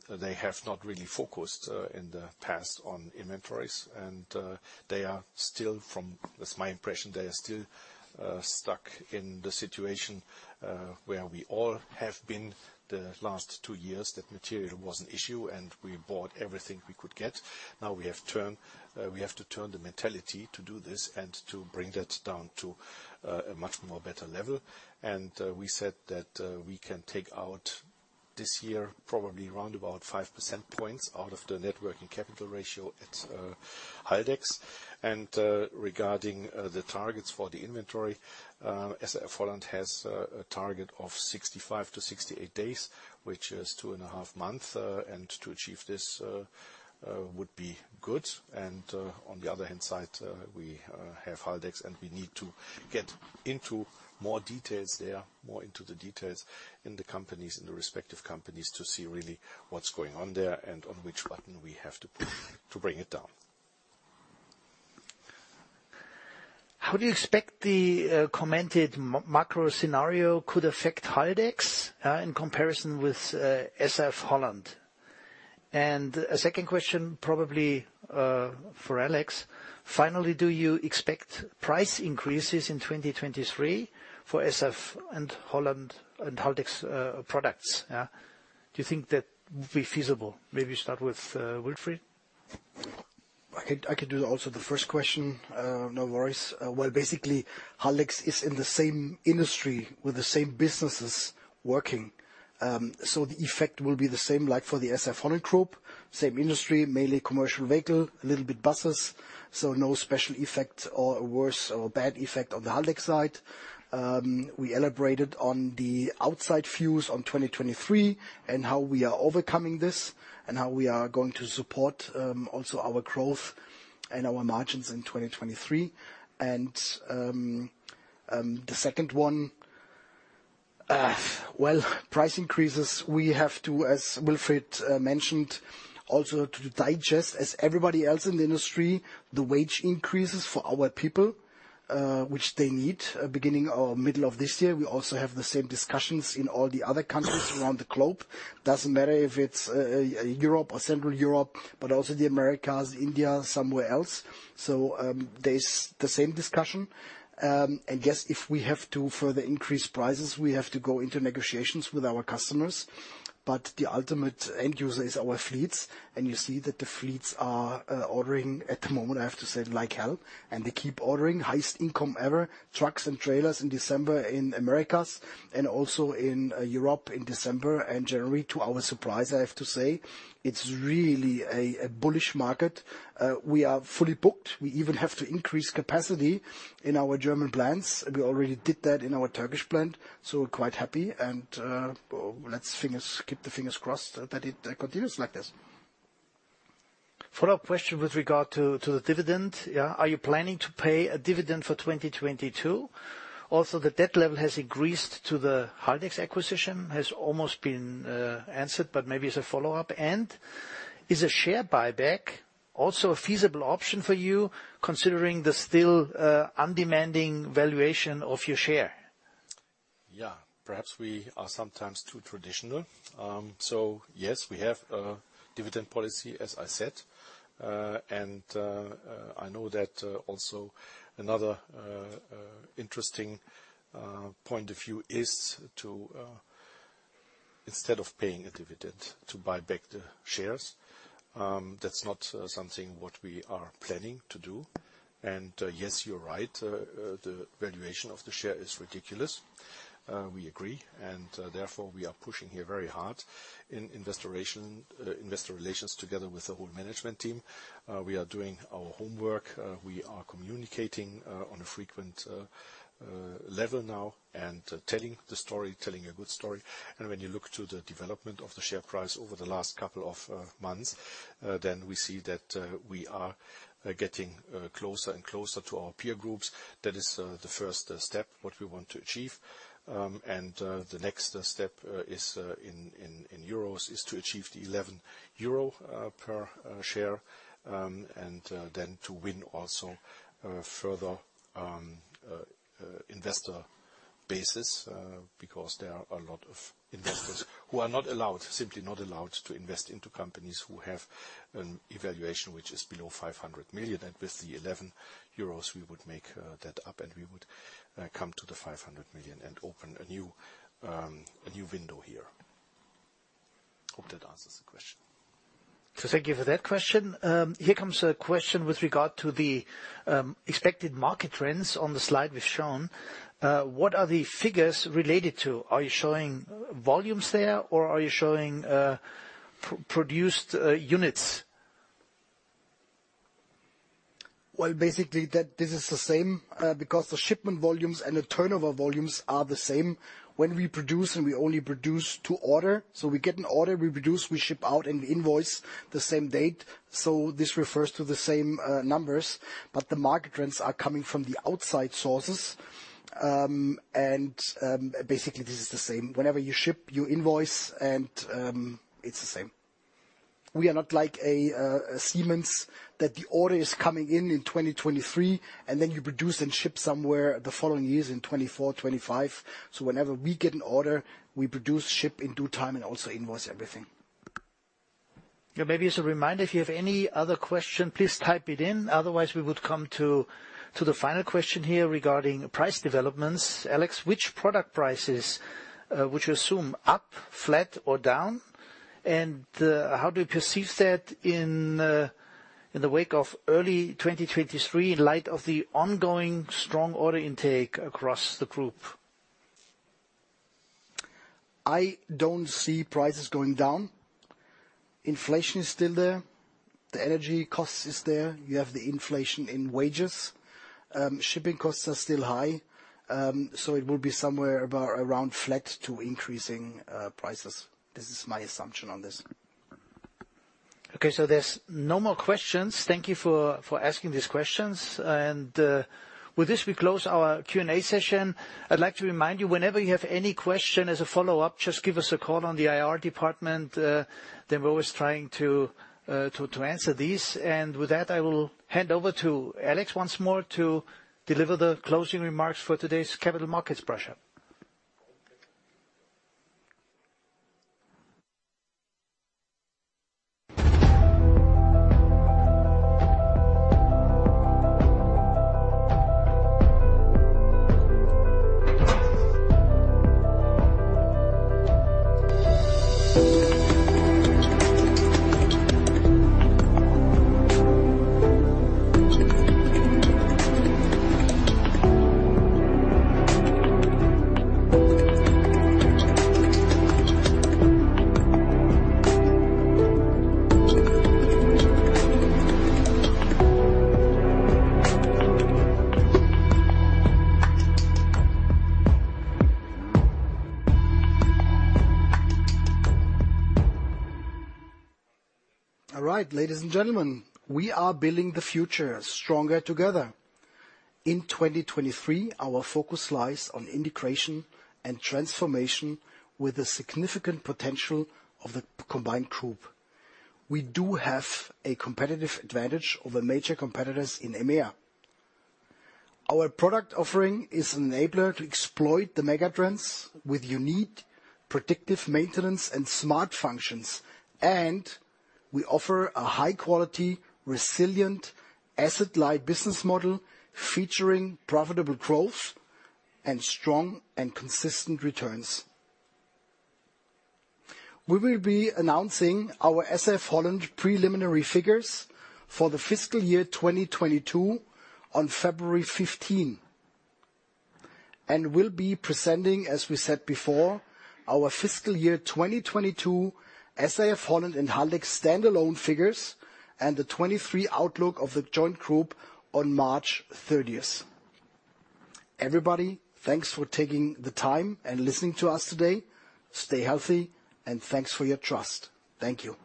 they have not really focused in the past on inventories, and they are still from... That's my impression, they are still stuck in the situation where we all have been the last two years, that material was an issue, and we bought everything we could get. Now we have turned, we have to turn the mentality to do this and to bring that down to a much more better level. We said that we can take out this year, probably around about 5 percentage points out of the net working capital ratio at Haldex. Regarding the targets for the inventory, SAF-HOLLAND has a target of 65-68 days, which is two and a half month. To achieve this would be good. On the other hand side, we have Haldex, and we need to get into more details there, more into the details in the companies, in the respective companies to see really what's going on there and on which button we have to bring it down. How do you expect the commented macro scenario could affect Haldex in comparison with SAF-HOLLAND? A second question probably for Alex. Finally, do you expect price increases in 2023 for SAF-HOLLAND and Haldex products, yeah? Do you think that would be feasible? Maybe start with Wilfried. I could do also the first question, no worries. Well, basically Haldex is in the same industry with the same businesses working. The effect will be the same like for the SAF-HOLLAND Group, same industry, mainly commercial vehicle, a little bit buses, so no special effect or worse or bad effect on the Haldex side. We elaborated on the outside views on 2023 and how we are overcoming this and how we are going to support also our growth and our margins in 2023. Well, price increases, we have to, as Wilfried mentioned, also to digest as everybody else in the industry, the wage increases for our people, which they need beginning or middle of this year. We also have the same discussions in all the other countries around the globe. Doesn't matter if it's Europe or Central Europe, but also the Americas, India, somewhere else. There's the same discussion. Yes, if we have to further increase prices, we have to go into negotiations with our customers. The ultimate end user is our fleets, and you see that the fleets are ordering at the moment, I have to say, like hell. They keep ordering. Highest income ever. Trucks and trailers in December in Americas and also in Europe in December and January, to our surprise, I have to say. It's really a bullish market. We are fully booked. We even have to increase capacity in our German plants. We already did that in our Turkish plant, we're quite happy. Let's keep the fingers crossed that it continues like this. Follow-up question with regard to the dividend, yeah. Are you planning to pay a dividend for 2022? Also, the debt level has increased to the Haldex acquisition. Has almost been answered, but maybe as a follow-up. Is a share buyback also a feasible option for you, considering the still undemanding valuation of your share? Yeah. Perhaps we are sometimes too traditional. Yes, we have a dividend policy, as I said. I know that also another interesting point of view is to instead of paying a dividend, to buy back the shares. That's not something what we are planning to do. Yes, you're right. The valuation of the share is ridiculous. We agree, and therefore, we are pushing here very hard in investor relations together with the whole management team. We are doing our homework. We are communicating on a frequent level now and telling the story, telling a good story. When you look to the development of the share price over the last couple of months, then we see that we are getting closer and closer to our peer groups. That is the first step, what we want to achieve. The next step is in euros is to achieve the 11 euro per share, and then to win also further investor bases, because there are a lot of investors who are not allowed, simply not allowed to invest into companies who have an evaluation which is below 500 million. With the 11 euros, we would make that up, and we would come to the 500 million and open a new window here. Hope that answers the question. Thank you for that question. Here comes a question with regard to the expected market trends on the slide we've shown. What are the figures related to? Are you showing volumes there, or are you showing pro-produced units? Well, basically that this is the same, because the shipment volumes and the turnover volumes are the same. When we produce, and we only produce to order. We get an order, we produce, we ship out, and we invoice the same date. This refers to the same numbers, but the market trends are coming from the outside sources. Basically this is the same. Whenever you ship, you invoice, and it's the same. We are not like a Siemens, that the order is coming in in 2023, and then you produce and ship somewhere the following years in 2024, 2025. Whenever we get an order, we produce, ship in due time, and also invoice everything. Yeah, maybe as a reminder, if you have any other question, please type it in. We would come to the final question here regarding price developments. Alex, which product prices would you assume up, flat, or down? How do you perceive that in the wake of early 2023 in light of the ongoing strong order intake across the group? I don't see prices going down. Inflation is still there. The energy cost is there. You have the inflation in wages. Shipping costs are still high. It will be somewhere about around flat to increasing prices. This is my assumption on this. Okay, there's no more questions. Thank you for asking these questions. With this, we close our Q&A session. I'd like to remind you, whenever you have any question as a follow-up, just give us a call on the IR department. They're always trying to answer these. With that, I will hand over to Alex once more to deliver the closing remarks for today's capital markets brush-up. All right, ladies and gentlemen, we are building the future stronger together. In 2023, our focus lies on integration and transformation with the significant potential of the combined group. We do have a competitive advantage over major competitors in EMEA. Our product offering is enabler to exploit the mega trends with unique predictive maintenance and smart functions. We offer a high quality, resilient asset light business model featuring profitable growth and strong and consistent returns. We will be announcing our SAF-HOLLAND preliminary figures for the fiscal year 2022 on February 15th. We'll be presenting, as we said before, our fiscal year 2022 SAF-HOLLAND and Haldex standalone figures and the 23 outlook of the joint group on March 30th. Everybody, thanks for taking the time and listening to us today. Stay healthy and thanks for your trust. Thank you.